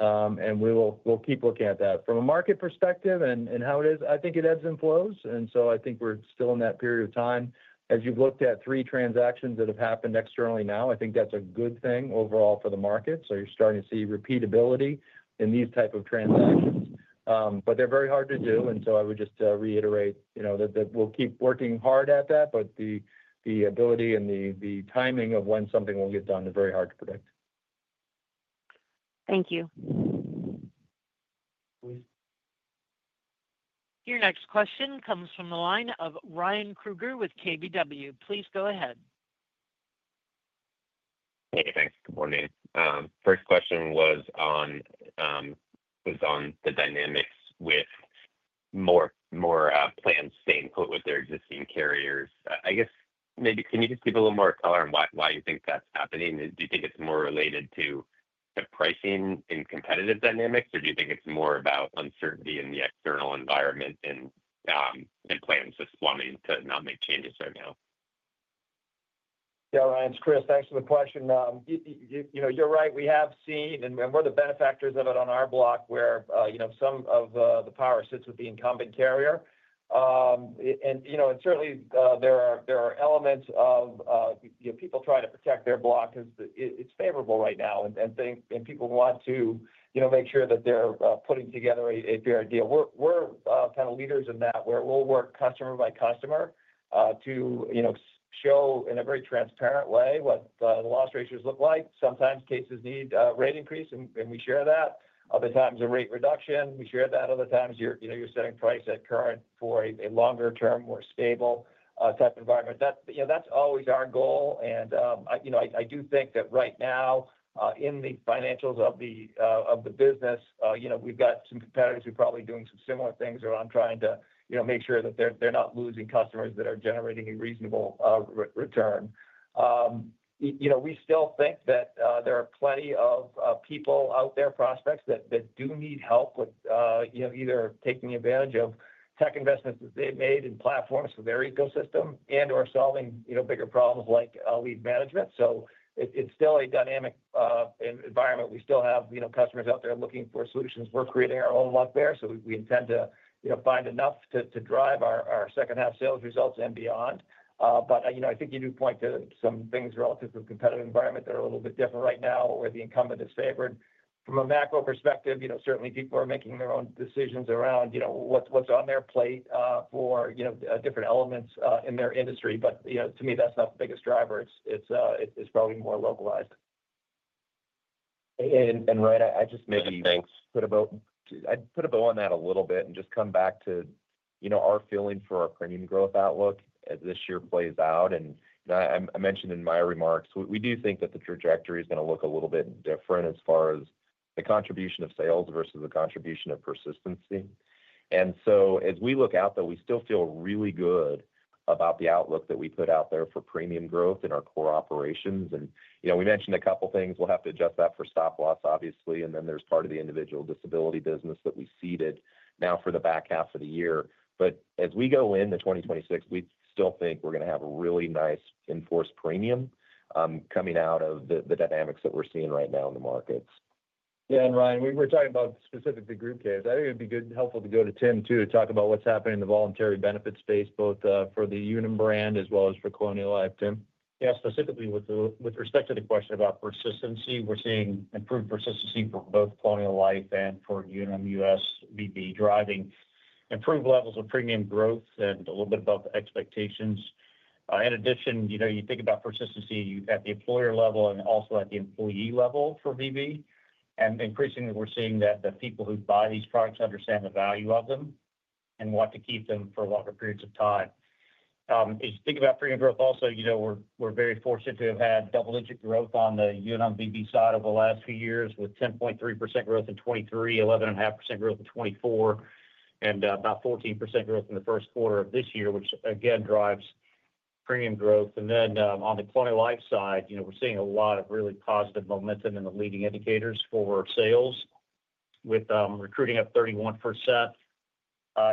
We'll keep looking at that. From a market perspective and how it is, I think it ebbs and flows. I think we're still in that period of time. As you've looked at three transactions that have happened externally now, I think that's a good thing overall for the market. You're starting to see repeatability in these types of transactions. They're very hard to do. I would just reiterate that we'll keep working hard at that. The ability and the timing of when something will get done is very hard to predict. Thank you. Your next question comes from the line of Ryan Krueger with KBW. Please go ahead. Hey, thanks. Good morning. First question was on the dynamics with more plans staying put with their existing carriers. I guess maybe can you just give a little more color on why you think that's happening? Do you think it's more related to pricing and competitive dynamics, or do you think it's more about uncertainty in the external environment and plans just wanting to not make changes right now? Yeah, Ryan's Chris. Thanks for the question. You're right. We have seen, and we're the benefactors of it on our block where some of the power sits with the incumbent carrier. And certainly, there are elements of people trying to protect their block because it's favorable right now. And people want to make sure that they're putting together a fair deal. We're kind of leaders in that where we'll work customer by customer to show in a very transparent way what the loss ratios look like. Sometimes cases need a rate increase, and we share that. Other times, a rate reduction. We share that. Other times, you're setting price at current for a longer-term, more stable type of environment. That's always our goal. I do think that right now in the financials of the business, we've got some competitors who are probably doing some similar things around trying to make sure that they're not losing customers that are generating a reasonable return. We still think that there are plenty of people out there, prospects, that do need help with either taking advantage of tech investments that they've made in platforms for their ecosystem and/or solving bigger problems like lead management. It's still a dynamic environment. We still have customers out there looking for solutions. We're creating our own luck there. We intend to find enough to drive our second-half sales results and beyond. I think you do point to some things relative to the competitive environment that are a little bit different right now where the incumbent is favored. From a macro perspective, certainly, people are making their own decisions around what's on their plate for different elements in their industry. To me, that's not the biggest driver. It's probably more localized. Ryan, I just maybe, thanks, put a bow. I'd put a bow on that a little bit and just come back to our feeling for our premium growth outlook as this year plays out. I mentioned in my remarks, we do think that the trajectory is going to look a little bit different as far as the contribution of sales versus the contribution of persistency. As we look out there, we still feel really good about the outlook that we put out there for premium growth in our core operations. We mentioned a couple of things. We will have to adjust that for stop-loss, obviously. There is part of the individual disability business that we ceded now for the back half of the year. As we go into 2026, we still think we are going to have a really nice in-force premium coming out of the dynamics that we are seeing right now in the markets. Yeah. Ryan, we were talking about specifically group carriers. I think it would be helpful to go to Tim, too, to talk about what is happening in the voluntary benefit space, both for the Unum brand as well as for Colonial Life. Tim? Yeah. Specifically, with respect to the question about persistency, we are seeing improved persistency for both Colonial Life and for Unum US VB driving improved levels of premium growth and a little bit above expectations. In addition, you think about persistency at the employer level and also at the employee level for VB. Increasingly, we are seeing that the people who buy these products understand the value of them and want to keep them for longer periods of time. As you think about premium growth, also, we are very fortunate to have had double-digit growth on the Unum VB side over the last few years with 10.3% growth in 2023, 11.5% growth in 2024, and about 14% growth in the first quarter of this year, which again drives premium growth. On the Colonial Life side, we are seeing a lot of really positive momentum in the leading indicators for sales, with recruiting up 31%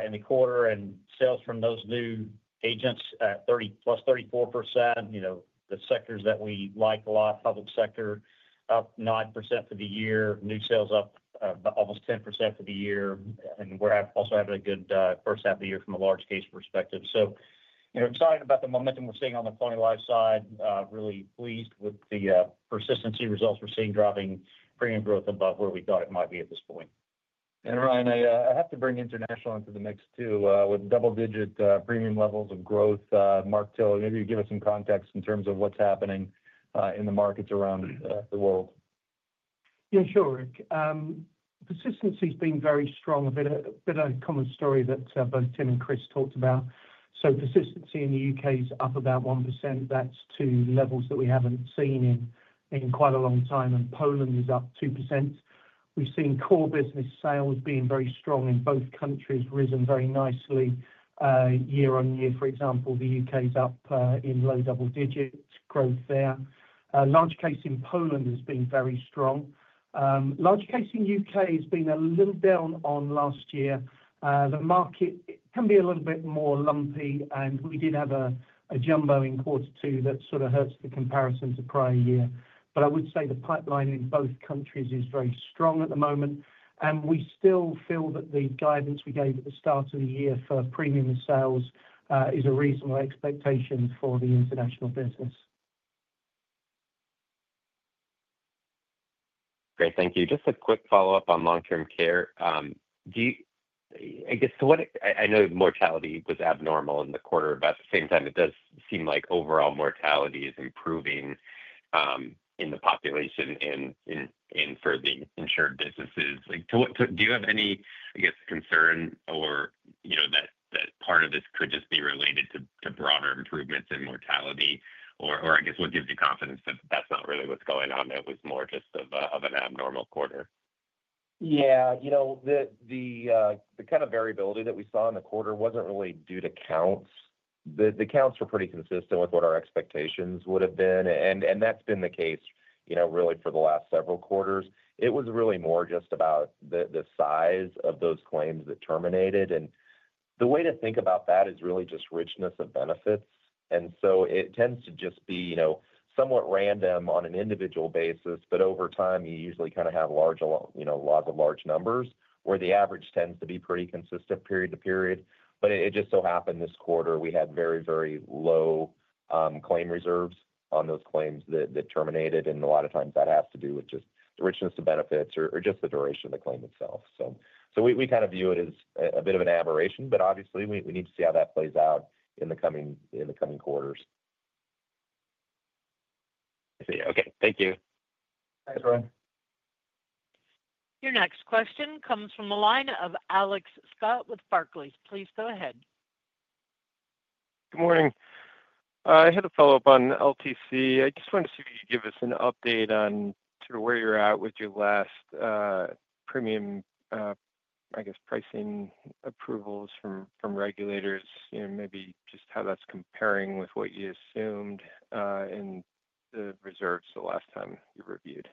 in the quarter and sales from those new agents at plus 34%. The sectors that we like a lot, public sector, up 9% for the year, new sales up almost 10% for the year. We are also having a good first half of the year from a large-case perspective. Talking about the momentum we are seeing on the Colonial Life side, really pleased with the persistency results we are seeing driving premium growth above where we thought it might be at this point. Ryan, I have to bring international into the mix, too, with double-digit premium levels of growth. Mark, maybe you give us some context in terms of what is happening in the markets around the world. Yeah, sure. Persistency has been very strong. A bit of a common story that both Tim and Chris talked about. Persistency in the U.K. is up about 1%. That is to levels that we have not seen in quite a long time. Poland is up 2%. We've seen core business sales being very strong in both countries, risen very nicely. Year on year, for example, the U.K. is up in low double-digit growth there. Large-case in Poland has been very strong. Large-case in the U.K. has been a little down on last year. The market can be a little bit more lumpy. We did have a jumbo in quarter two that sort of hurts the comparison to prior year. I would say the pipeline in both countries is very strong at the moment. We still feel that the guidance we gave at the start of the year for premium sales is a reasonable expectation for the international business. Great. Thank you. Just a quick follow-up on long-term care. I guess to what I know, mortality was abnormal in the quarter about the same time. It does seem like overall mortality is improving in the population and for the insured businesses. Do you have any, I guess, concern or that part of this could just be related to broader improvements in mortality? Or I guess, what gives you confidence that that's not really what's going on? It was more just of an abnormal quarter? Yeah. The kind of variability that we saw in the quarter wasn't really due to counts. The counts were pretty consistent with what our expectations would have been. That's been the case really for the last several quarters. It was really more just about the size of those claims that terminated. The way to think about that is really just richness of benefits. It tends to just be somewhat random on an individual basis. Over time, you usually kind of have lots of large numbers where the average tends to be pretty consistent period to period. It just so happened this quarter, we had very, very low claim reserves on those claims that terminated. A lot of times, that has to do with just the richness of benefits or just the duration of the claim itself. We kind of view it as a bit of an aberration. Obviously, we need to see how that plays out in the coming quarters. Okay. Thank you. Thanks, Ryan. Your next question comes from the line of Alex Scott with Barclays. Please go ahead. Good morning. I had a follow-up on LTC. I just wanted to see if you could give us an update on sort of where you're at with your last premium, I guess, pricing approvals from regulators, maybe just how that's comparing with what you assumed in the reserves the last time you reviewed.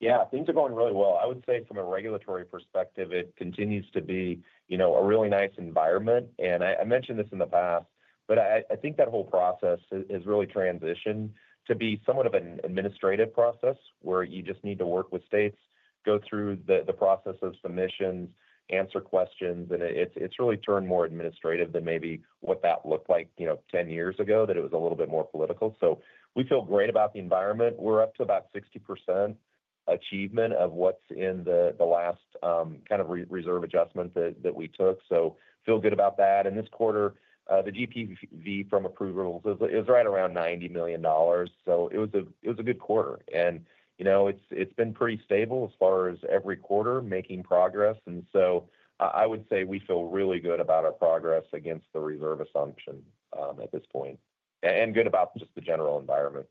Yeah. Things are going really well. I would say from a regulatory perspective, it continues to be a really nice environment. I mentioned this in the past, but I think that whole process has really transitioned to be somewhat of an administrative process where you just need to work with states, go through the process of submissions, answer questions. It has really turned more administrative than maybe what that looked like 10 years ago, that it was a little bit more political. We feel great about the environment. We're up to about 60% achievement of what's in the last kind of reserve adjustment that we took, so feel good about that. This quarter, the GPV from approvals is right around $90 million, so it was a good quarter. It has been pretty stable as far as every quarter, making progress. I would say we feel really good about our progress against the reserve assumption at this point, and good about just the general environment.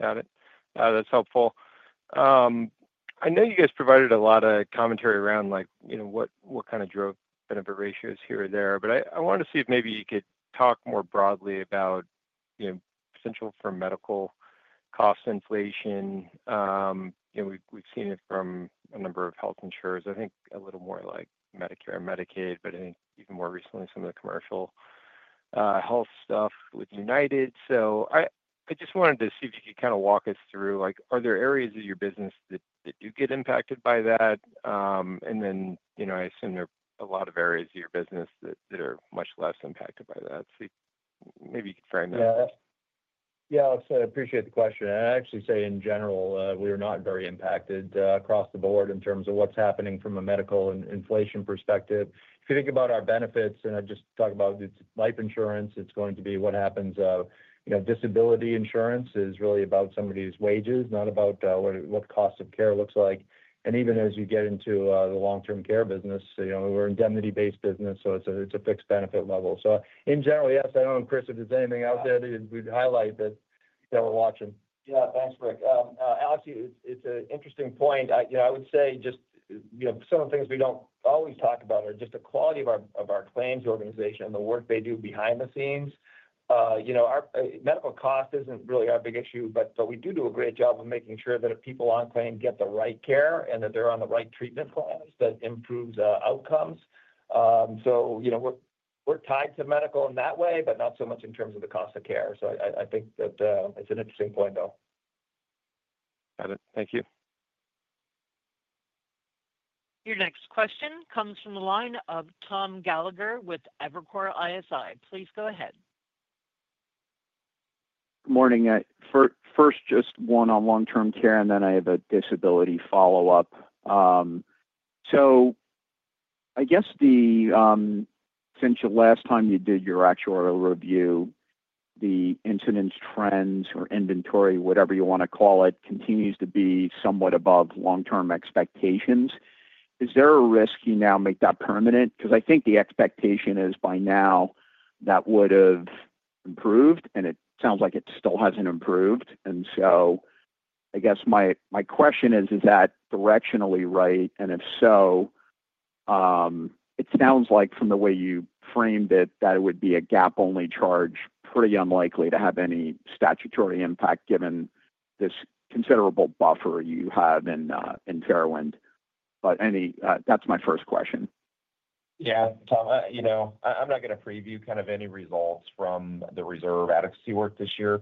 Got it. That's helpful. I know you guys provided a lot of commentary around what kind of drove benefit ratios here or there, but I wanted to see if maybe you could talk more broadly about potential for medical cost inflation. We've seen it from a number of health insurers, I think a little more like Medicare and Medicaid, but I think even more recently, some of the commercial health stuff with United. I just wanted to see if you could kind of walk us through, are there areas of your business that do get impacted by that? I assume there are a lot of areas of your business that are much less impacted by that. Maybe you could frame that. Yeah. I appreciate the question. I'd actually say, in general, we are not very impacted across the board in terms of what's happening from a medical and inflation perspective. If you think about our benefits, and I just talk about life insurance, it's going to be what happens. Disability insurance is really about somebody's wages, not about what the cost of care looks like. Even as you get into the long-term care business, we're an indemnity-based business, so it's a fixed benefit level. In general, yes. I don't know, Chris, if there's anything out there that you'd highlight that we're watching. Yeah. Thanks, Rick. Alex, it's an interesting point. I would say just some of the things we don't always talk about are just the quality of our claims organization and the work they do behind the scenes. Medical cost is not really our big issue, but we do do a great job of making sure that people on claim get the right care and that they are on the right treatment plans that improve outcomes. We are tied to medical in that way, but not so much in terms of the cost of care. I think that it is an interesting point, though. Got it. Thank you. Your next question comes from the line of Tom Gallagher with Evercore ISI. Please go ahead. Good morning. First, just one on long-term care, and then I have a disability follow-up. I guess since the last time you did your actuarial review, the incidence trends or inventory, whatever you want to call it, continues to be somewhat above long-term expectations. Is there a risk you now make that permanent? Because I think the expectation is by now that would have improved, and it sounds like it still has not improved. I guess my question is, is that directionally right? If so, it sounds like from the way you framed it, that it would be a GAAP-only charge, pretty unlikely to have any statutory impact given this considerable buffer you have in Fairwind. That is my first question. Yeah. Tom, I am not going to preview any results from the reserve adequacy work this year.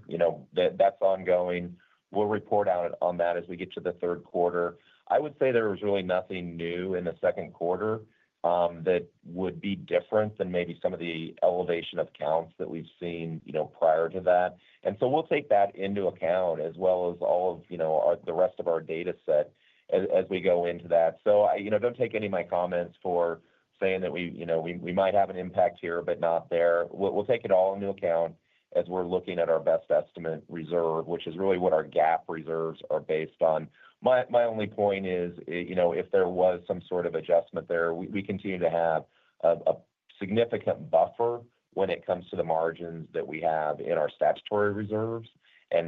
That is ongoing. We will report on that as we get to the third quarter. I would say there was really nothing new in the second quarter that would be different than maybe some of the elevation of counts that we have seen prior to that. We will take that into account as well as all of the rest of our data set as we go into that. Do not take any of my comments for saying that we might have an impact here but not there. We will take it all into account as we are looking at our best estimate reserve, which is really what our GAAP reserves are based on. My only point is if there was some sort of adjustment there, we continue to have a significant buffer when it comes to the margins that we have in our statutory reserves.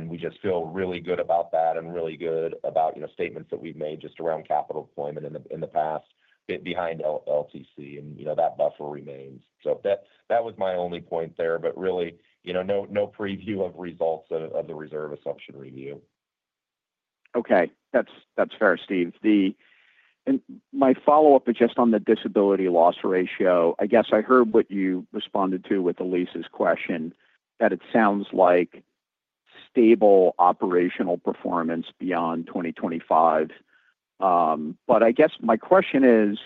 We just feel really good about that and really good about statements that we have made just around capital deployment in the past behind LTC. That buffer remains. That was my only point there. Really, no preview of results of the reserve assumption review. Okay. That is fair, Steve. My follow-up is just on the disability loss ratio. I guess I heard what you responded to with Elyse's question, that it sounds like stable operational performance beyond 2025. I guess my question is.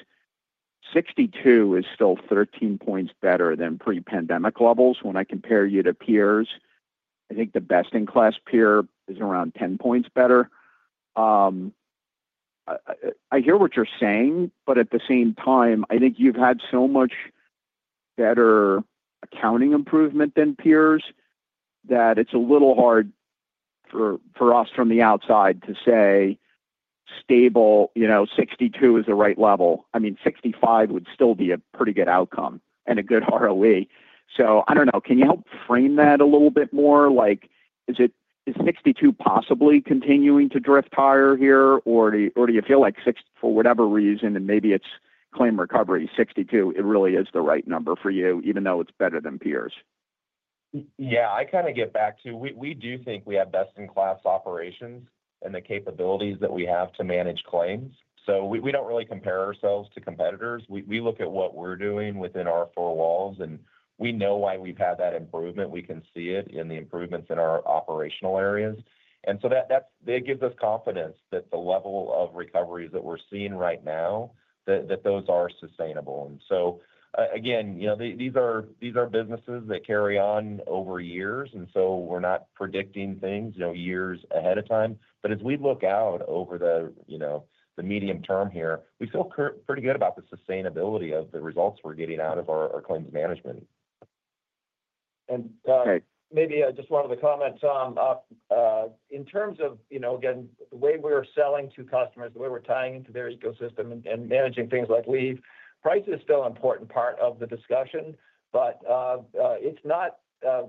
62 is still 13 percentage points better than pre-pandemic levels. When I compare you to peers, I think the best-in-class peer is around 10 percentage points better. I hear what you're saying, but at the same time, I think you've had so much better accounting improvement than peers that it's a little hard for us from the outside to say stable 62 is the right level. I mean, 65 would still be a pretty good outcome and a good ROE. I don't know. Can you help frame that a little bit more? Is 62 possibly continuing to drift higher here, or do you feel like for whatever reason, and maybe it's claim recovery, 62, it really is the right number for you, even though it's better than peers? Yeah. I kind of get back to we do think we have best-in-class operations and the capabilities that we have to manage claims. We don't really compare ourselves to competitors. We look at what we're doing within our four walls, and we know why we've had that improvement. We can see it in the improvements in our operational areas. It gives us confidence that the level of recoveries that we're seeing right now, that those are sustainable. Again, these are businesses that carry on over years. We're not predicting things years ahead of time. As we look out over the medium term here, we feel pretty good about the sustainability of the results we're getting out of our claims management. Maybe just one other comment, Tom. In terms of the way we're selling to customers, the way we're tying into their ecosystem and managing things like leave, price is still an important part of the discussion. It's not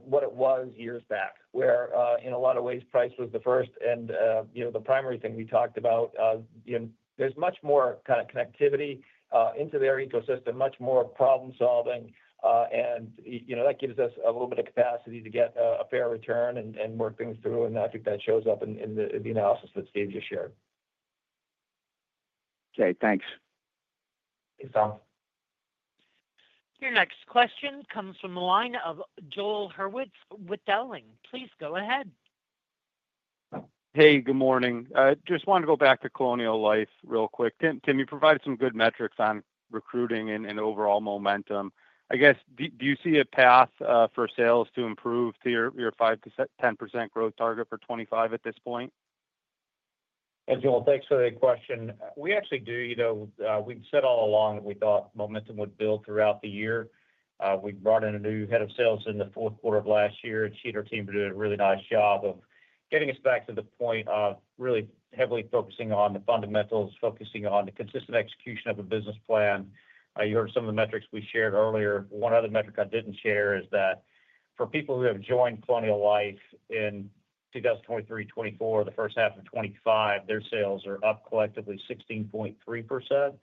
what it was years back, where in a lot of ways, price was the first and the primary thing we talked about. There's much more connectivity into their ecosystem, much more problem-solving. That gives us a little bit of capacity to get a fair return and work things through. I think that shows up in the analysis that Steve just shared. Okay. Thanks. Thanks, Tom. Your next question comes from the line of Joel Hurwitz with Dowling. Please go ahead. Hey, good morning. Just wanted to go back to Colonial Life real quick. Tim, you provided some good metrics on recruiting and overall momentum. Do you see a path for sales to improve to your 5%-10% growth target for 2025 at this point? Thanks for the question. We actually do. We've said all along that we thought momentum would build throughout the year. We brought in a new head of sales in the fourth quarter of last year, and she and her team did a really nice job of getting us back to the point of really heavily focusing on the fundamentals, focusing on the consistent execution of a business plan. You heard some of the metrics we shared earlier. One other metric I did not share is that for people who have joined Colonial Life in 2023, 2024, the first half of 2025, their sales are up collectively 16.3%.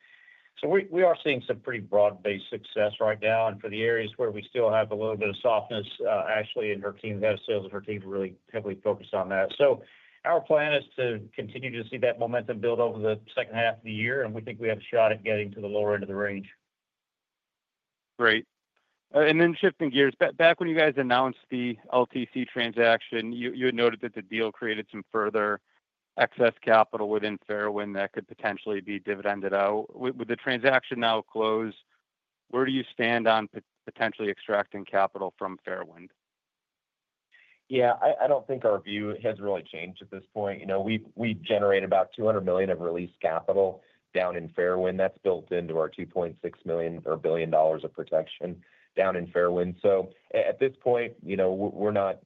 We are seeing some pretty broad-based success right now. For the areas where we still have a little bit of softness, Ashley and her team, the head of sales and her team, are really heavily focused on that. Our plan is to continue to see that momentum build over the second half of the year. We think we have a shot at getting to the lower end of the range. Great. Shifting gears, back when you guys announced the LTC transaction, you had noted that the deal created some further excess capital within Fairwind that could potentially be dividended. With the transaction now closed, where do you stand on potentially extracting capital from Fairwind? Yeah. I do not think our view has really changed at this point. We generate about $200 million of released capital down in Fairwind. That is built into our $2.6 billion of protection down in Fairwind. At this point, we have not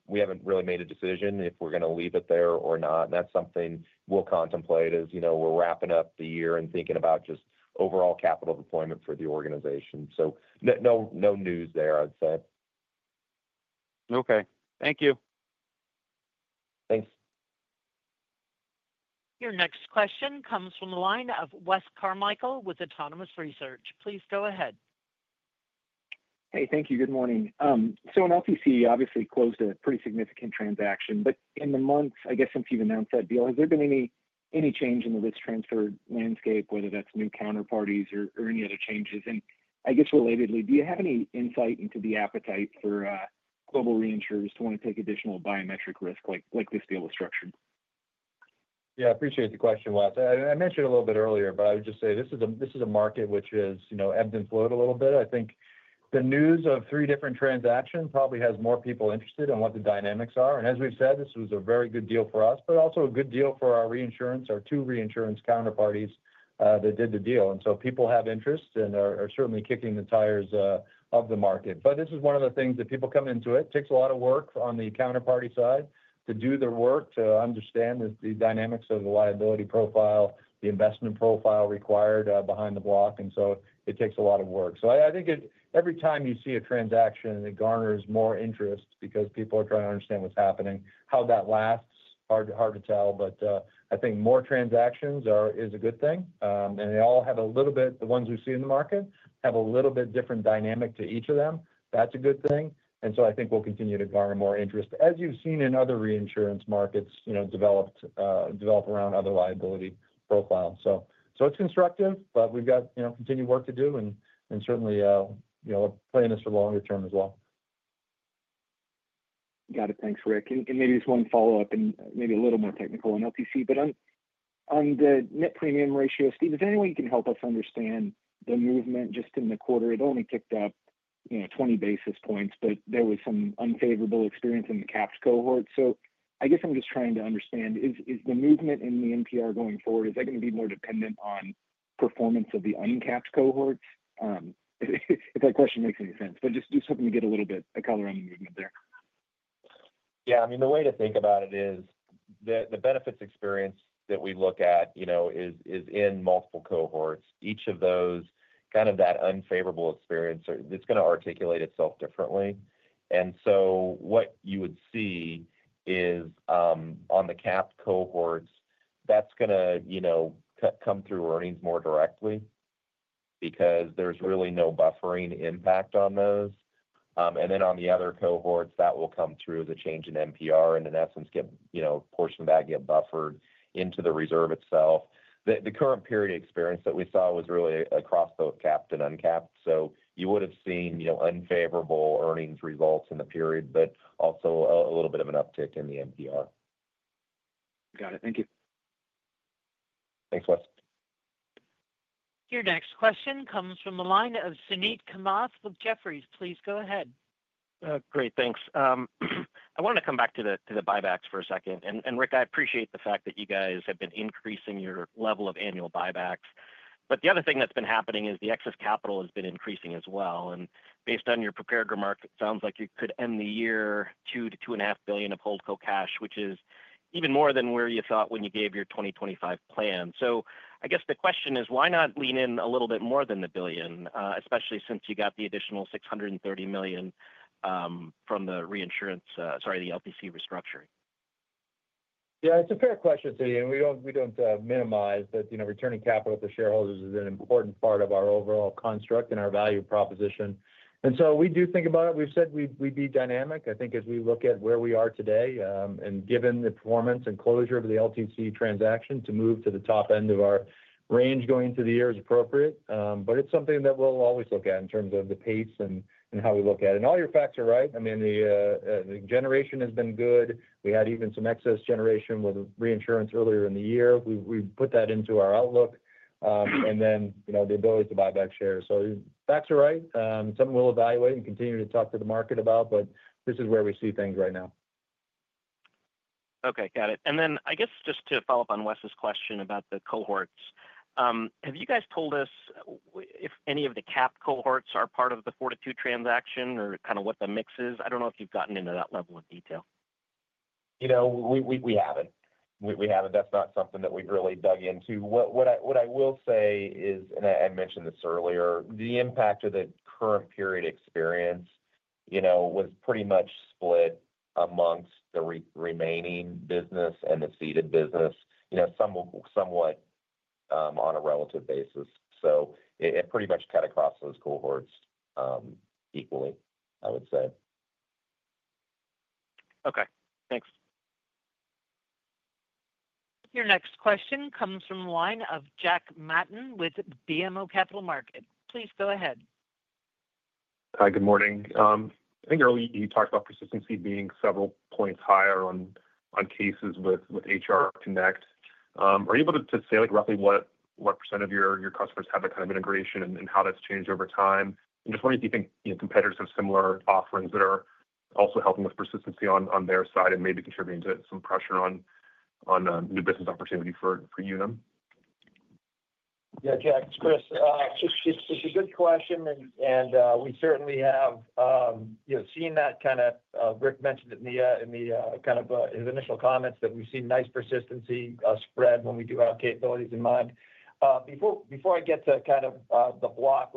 really made a decision if we are going to leave it there or not. That is something we will contemplate as we are wrapping up the year and thinking about just overall capital deployment for the organization. No news there, I would say. Okay. Thank you. Thanks. Your next question comes from the line of Wes Carmichael with Autonomous Research. Please go ahead. Hey, thank you. Good morning. An LTC obviously closed a pretty significant transaction. In the month, I guess, since you have announced that deal, has there been any change in the risk transfer landscape, whether that is new counterparties or any other changes? I guess relatedly, do you have any insight into the appetite for global reinsurers to want to take additional biometric risk like this deal was structured? Yeah. I appreciate the question, Wes. I mentioned a little bit earlier, but I would just say this is a market which has ebbed and flowed a little bit. I think the news of three different transactions probably has more people interested in what the dynamics are. As we have said, this was a very good deal for us, but also a good deal for our two reinsurance counterparties that did the deal. People have interest and are certainly kicking the tires of the market. This is one of the things that people come into. It takes a lot of work on the counterparty side to do the work to understand the dynamics of the liability profile, the investment profile required behind the block. It takes a lot of work. I think every time you see a transaction, it garners more interest because people are trying to understand what is happening. How that lasts, hard to tell. I think more transactions is a good thing. The ones we see in the market have a little bit different dynamic to each of them. That is a good thing. I think we will continue to garner more interest, as you have seen in other reinsurance markets develop around other liability profiles. It is constructive, but we have got continued work to do. Certainly, we are playing this for the longer term as well. Got it. Thanks, Rick. Maybe just one follow-up and maybe a little more technical on LTC. On the net premium ratio, Steve, is there any way you can help us understand the movement just in the quarter? It only ticked up 20 basis points, but there was some unfavorable experience in the capped cohort. I am just trying to understand, is the movement in the NPR going forward going to be more dependent on performance of the uncapped cohorts? If that question makes any sense. Just helping to get a little bit of color on the movement there. Yeah. The way to think about it is, the benefits experience that we look at is in multiple cohorts. Each of those, kind of that unfavorable experience, it is going to articulate itself differently. What you would see is, on the capped cohorts, that is going to come through earnings more directly because there is really no buffering impact on those. On the other cohorts, that will come through the change in NPR and, in essence, a portion of that gets buffered into the reserve itself. The current period experience that we saw was really across both capped and uncapped. You would have seen unfavorable earnings results in the period, but also a little bit of an uptick in the NPR. Got it. Thank you. Thanks, Wes. Your next question comes from the line of Suneet Kamath with Jefferies. Please go ahead. Great. Thanks. I want to come back to the buybacks for a second. And Rick, I appreciate the fact that you guys have been increasing your level of annual buybacks. The other thing that's been happening is the excess capital has been increasing as well. Based on your prepared remarks, it sounds like you could end the year $2 billion-$2.5 billion of Holdco cash, which is even more than where you thought when you gave your 2025 plan. I guess the question is, why not lean in a little bit more than the $1 billion, especially since you got the additional $630 million from the reinsurance, sorry, the LTC restructuring? Yeah. It's a fair question, Steve. We don't minimize that returning capital to shareholders is an important part of our overall construct and our value proposition. We do think about it. We've said we'd be dynamic, I think, as we look at where we are today. Given the performance and closure of the LTC transaction, to move to the top end of our range going into the year is appropriate. It's something that we'll always look at in terms of the pace and how we look at it. All your facts are right. I mean, the generation has been good. We had even some excess generation with reinsurance earlier in the year. We put that into our outlook. Then the ability to buy back shares. Facts are right. Something we'll evaluate and continue to talk to the market about, but this is where we see things right now. Okay. Got it. I guess just to follow up on Wes's question about the cohorts, have you guys told us if any of the capped cohorts are part of the 4-2 transaction or kind of what the mix is? I don't know if you've gotten into that level of detail. We haven't. We haven't. That's not something that we've really dug into. What I will say is, and I mentioned this earlier, the impact of the current period experience was pretty much split amongst the remaining business and the ceded business, somewhat, on a relative basis. It pretty much cut across those cohorts equally, I would say. Okay. Thanks. Your next question comes from the line of Jack Matten with BMO Capital Market. Please go ahead. Hi, good morning. I think earlier you talked about persistency being several points higher on cases with HR Connect. Are you able to say roughly what percent of your customers have that kind of integration and how that's changed over time? Just wondering if you think competitors have similar offerings that are also helping with persistency on their side and maybe contributing to some pressure on new business opportunity for Unum? Yeah, Jack, it's Chris. It's a good question. We certainly have seen that. Rick mentioned in his initial comments that we've seen nice persistency spread when we do have capabilities in mind. Before I get to the block,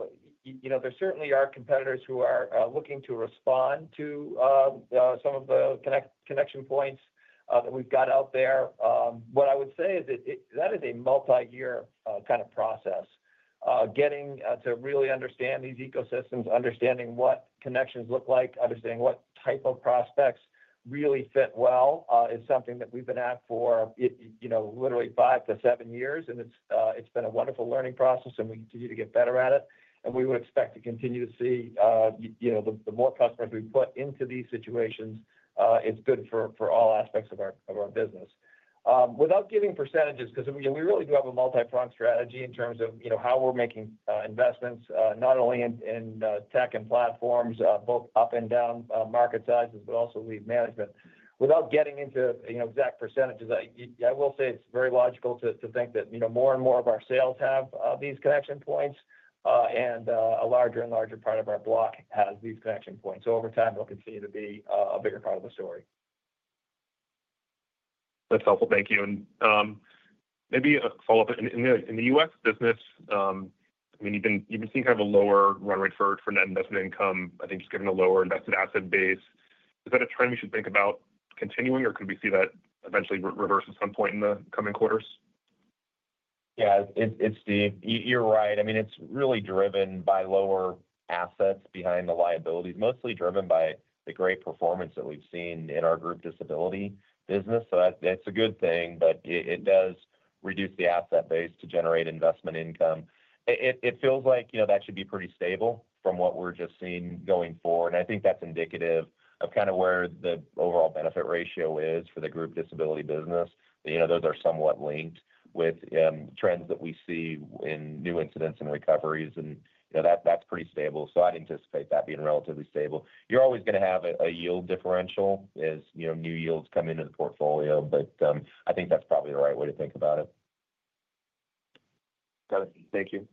there certainly are competitors who are looking to respond to some of the connection points that we've got out there. What I would say is that is a multi-year process. Getting to really understand these ecosystems, understanding what connections look like, understanding what type of prospects really fit well is something that we've been at for literally five to seven years. It's been a wonderful learning process, and we continue to get better at it. We would expect to continue to see the more customers we put into these situations, it's good for all aspects of our business. Without giving percentages, because we really do have a multi-pronged strategy in terms of how we're making investments, not only in tech and platforms, both up and down market sizes, but also lead management. Without getting into exact percentages, I will say it's very logical to think that more and more of our sales have these connection points. A larger and larger part of our block has these connection points. Over time, it'll continue to be a bigger part of the story. That's helpful. Thank you. Maybe a follow-up. In the U.S. business, you've been seeing kind of a lower run rate for net investment income, I think, just given a lower invested asset base. Is that a trend we should think about continuing, or could we see that eventually reverse at some point in the coming quarters? Yeah, Steve, you're right. It's really driven by lower assets behind the liabilities, mostly driven by the great performance that we've seen in our group disability business. That's a good thing, but it does reduce the asset base to generate investment income. It feels like that should be pretty stable from what we're just seeing going forward. I think that's indicative of where the overall benefit ratio is for the group disability business. Those are somewhat linked with trends that we see in new incidents and recoveries. That's pretty stable. I'd anticipate that being relatively stable. You're always going to have a yield differential as new yields come into the portfolio, but I think that's probably the right way to think about it. Got it. Thank you.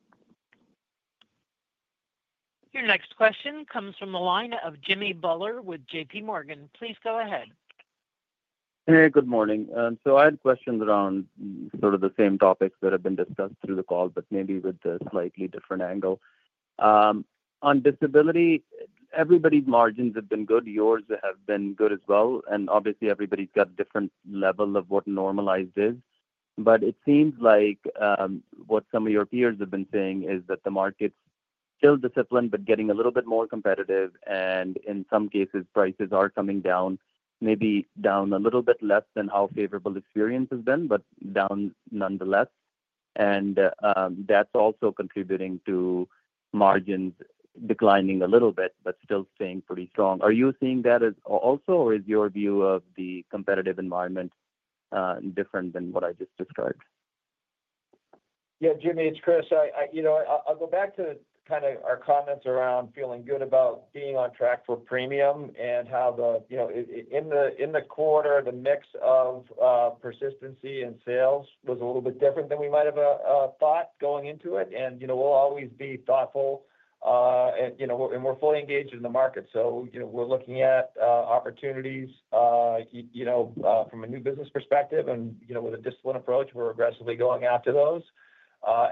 Your next question comes from the line of Jimmy Bhullar with JPMorgan. Please go ahead. Hey, good morning. I had questions around sort of the same topics that have been discussed through the call, but maybe with a slightly different angle. On disability, everybody's margins have been good. Yours have been good as well. Obviously, everybody's got a different level of what normalized is. It seems like what some of your peers have been saying is that the market's still disciplined, but getting a little bit more competitive. In some cases, prices are coming down, maybe down a little bit less than how favorable experience has been, but down nonetheless. That's also contributing to margins declining a little bit, but still staying pretty strong. Are you seeing that also, or is your view of the competitive environment different than what I just described? Yeah, Jimmy, it's Chris. I'll go back to kind of our comments around feeling good about being on track for premium and how in the quarter, the mix of persistency and sales was a little bit different than we might have thought going into it. We'll always be thoughtful. We're fully engaged in the market, so we're looking at opportunities from a new business perspective and with a disciplined approach. We're aggressively going after those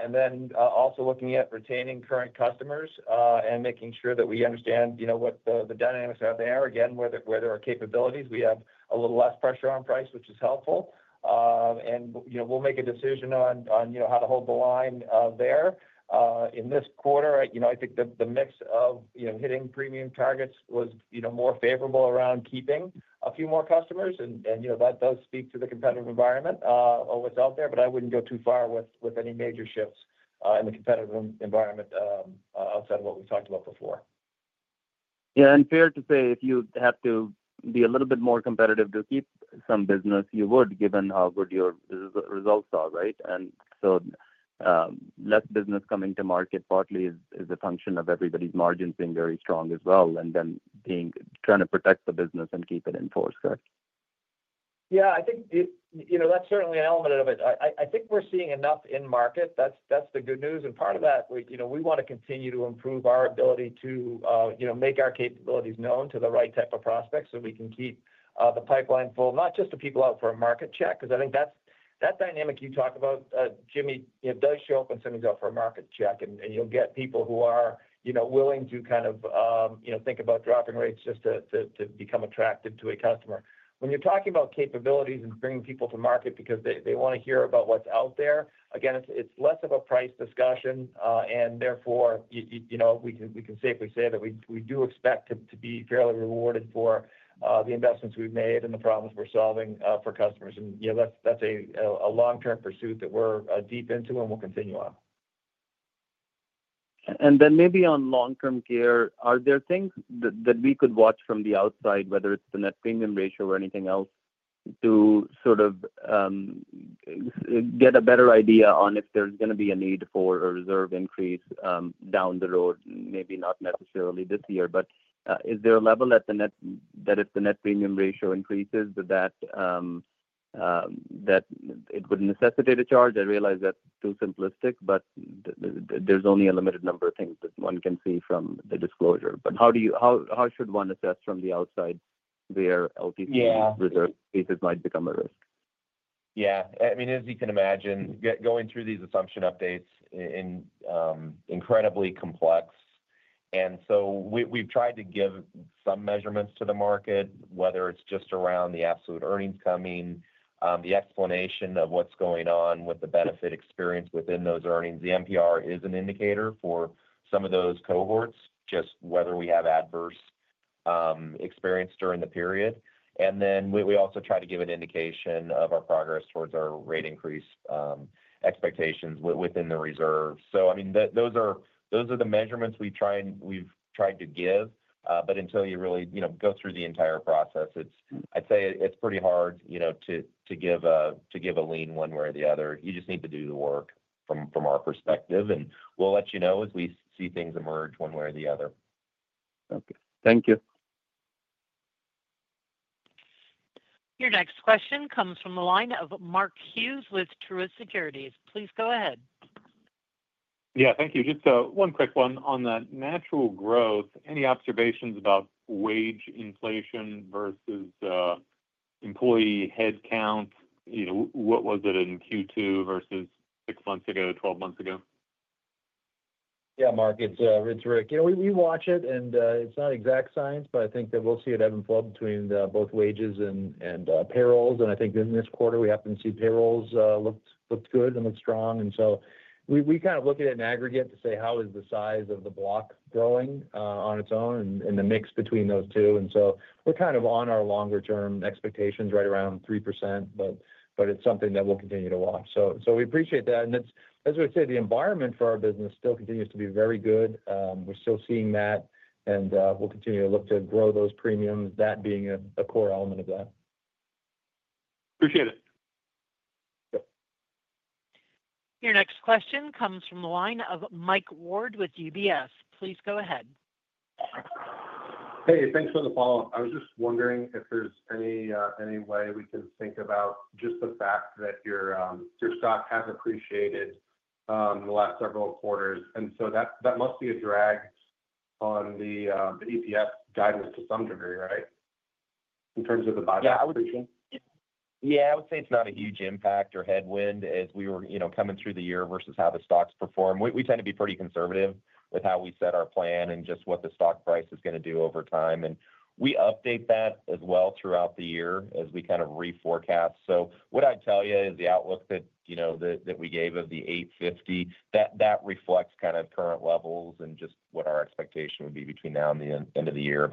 and then also looking at retaining current customers and making sure that we understand what the dynamics are there. Again, where there are capabilities, we have a little less pressure on price, which is helpful. We'll make a decision on how to hold the line there. In this quarter, I think the mix of hitting premium targets was more favorable around keeping a few more customers. That does speak to the competitive environment of what's out there. I wouldn't go too far with any major shifts in the competitive environment outside of what we've talked about before. Yeah. Fair to say, if you have to be a little bit more competitive to keep some business, you would, given how good your results are, right? Less business coming to market partly is a function of everybody's margins being very strong as well, and then trying to protect the business and keep it in force, correct? Yeah. I think that's certainly an element of it. I think we're seeing enough in market. That's the good news. Part of that, we want to continue to improve our ability to make our capabilities known to the right type of prospects so we can keep the pipeline full, not just the people out for a market check, because I think that dynamic you talk about, Jimmy, does show up when something's out for a market check. You'll get people who are willing to kind of think about dropping rates just to become attractive to a customer. When you're talking about capabilities and bringing people to market because they want to hear about what's out there, again, it's less of a price discussion. Therefore, we can safely say that we do expect to be fairly rewarded for the investments we've made and the problems we're solving for customers. That's a long-term pursuit that we're deep into and we'll continue on. Maybe on long-term gear, are there things that we could watch from the outside, whether it's the net premium ratio or anything else, to sort of get a better idea on if there's going to be a need for a reserve increase down the road? Maybe not necessarily this year, but is there a level that, if the net premium ratio increases, that it would necessitate a charge? I realize that's too simplistic, but there's only a limited number of things that one can see from the disclosure. How should one assess from the outside where LTC reserve cases might become a risk? Yeah. I mean, as you can imagine, going through these assumption updates is incredibly complex. We've tried to give some measurements to the market, whether it's just around the absolute earnings coming, the explanation of what's going on with the benefit experience within those earnings. The NPR is an indicator for some of those cohorts, just whether we have adverse experience during the period. We also try to give an indication of our progress towards our rate increase expectations within the reserve. Those are the measurements we've tried to give. Until you really go through the entire process, I'd say it's pretty hard to give a lean one way or the other. You just need to do the work from our perspective. We'll let you know as we see things emerge one way or the other. Okay. Thank you. Your next question comes from the line of Mark Hughes with Truist Securities. Please go ahead. Yeah. Thank you. Just one quick one on that natural growth. Any observations about wage inflation versus employee headcount? What was it in Q2 versus six months ago, twelve months ago? Yeah, Mark, it's Rick. We watch it, and it's not exact science, but I think that we'll see it ebb and flow between both wages and payrolls. I think in this quarter, we happen to see payrolls looked good and looked strong. We kind of look at it in aggregate to say, how is the size of the block growing on its own and the mix between those two? We're kind of on our longer-term expectations right around 3%, but it's something that we'll continue to watch. We appreciate that. The environment for our business still continues to be very good. We're still seeing that, and we'll continue to look to grow those premiums, that being a core element of that. Appreciate it. Your next question comes from the line of Mike Ward with UBS. Please go ahead. Hey, thanks for the follow-up. I was just wondering if there's any way we can think about just the fact that your stock has appreciated in the last several quarters. That must be a drag on the EPS guidance to some degree, right, in terms of the buyback position? Yeah, I would say it's not a huge impact or headwind as we were coming through the year versus how the stock's performed. We tend to be pretty conservative with how we set our plan and just what the stock price is going to do over time. We update that as well throughout the year as we kind of reforecast. What I'd tell you is the outlook that we gave of the $8.50, that reflects kind of current levels and just what our expectation would be between now and the end of the year.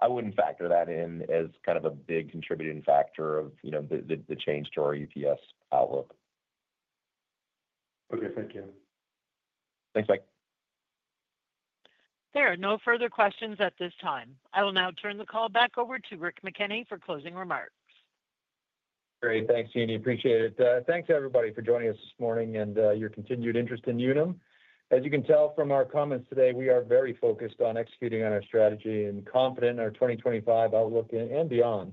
I wouldn't factor that in as kind of a big contributing factor of the change to our EPS outlook. Okay. Thank you. Thanks, Mike. There are no further questions at this time. I will now turn the call back over to Rick McKenney for closing remarks. Great. Thanks, Jimmy. Appreciate it. Thanks to everybody for joining us this morning and your continued interest in Unum. As you can tell from our comments today, we are very focused on executing on our strategy and confident in our 2025 outlook and beyond.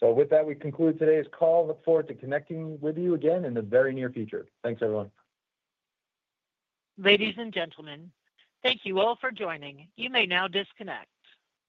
With that, we conclude today's call. Look forward to connecting with you again in the very near future. Thanks, everyone. Ladies and gentlemen, thank you all for joining. You may now disconnect.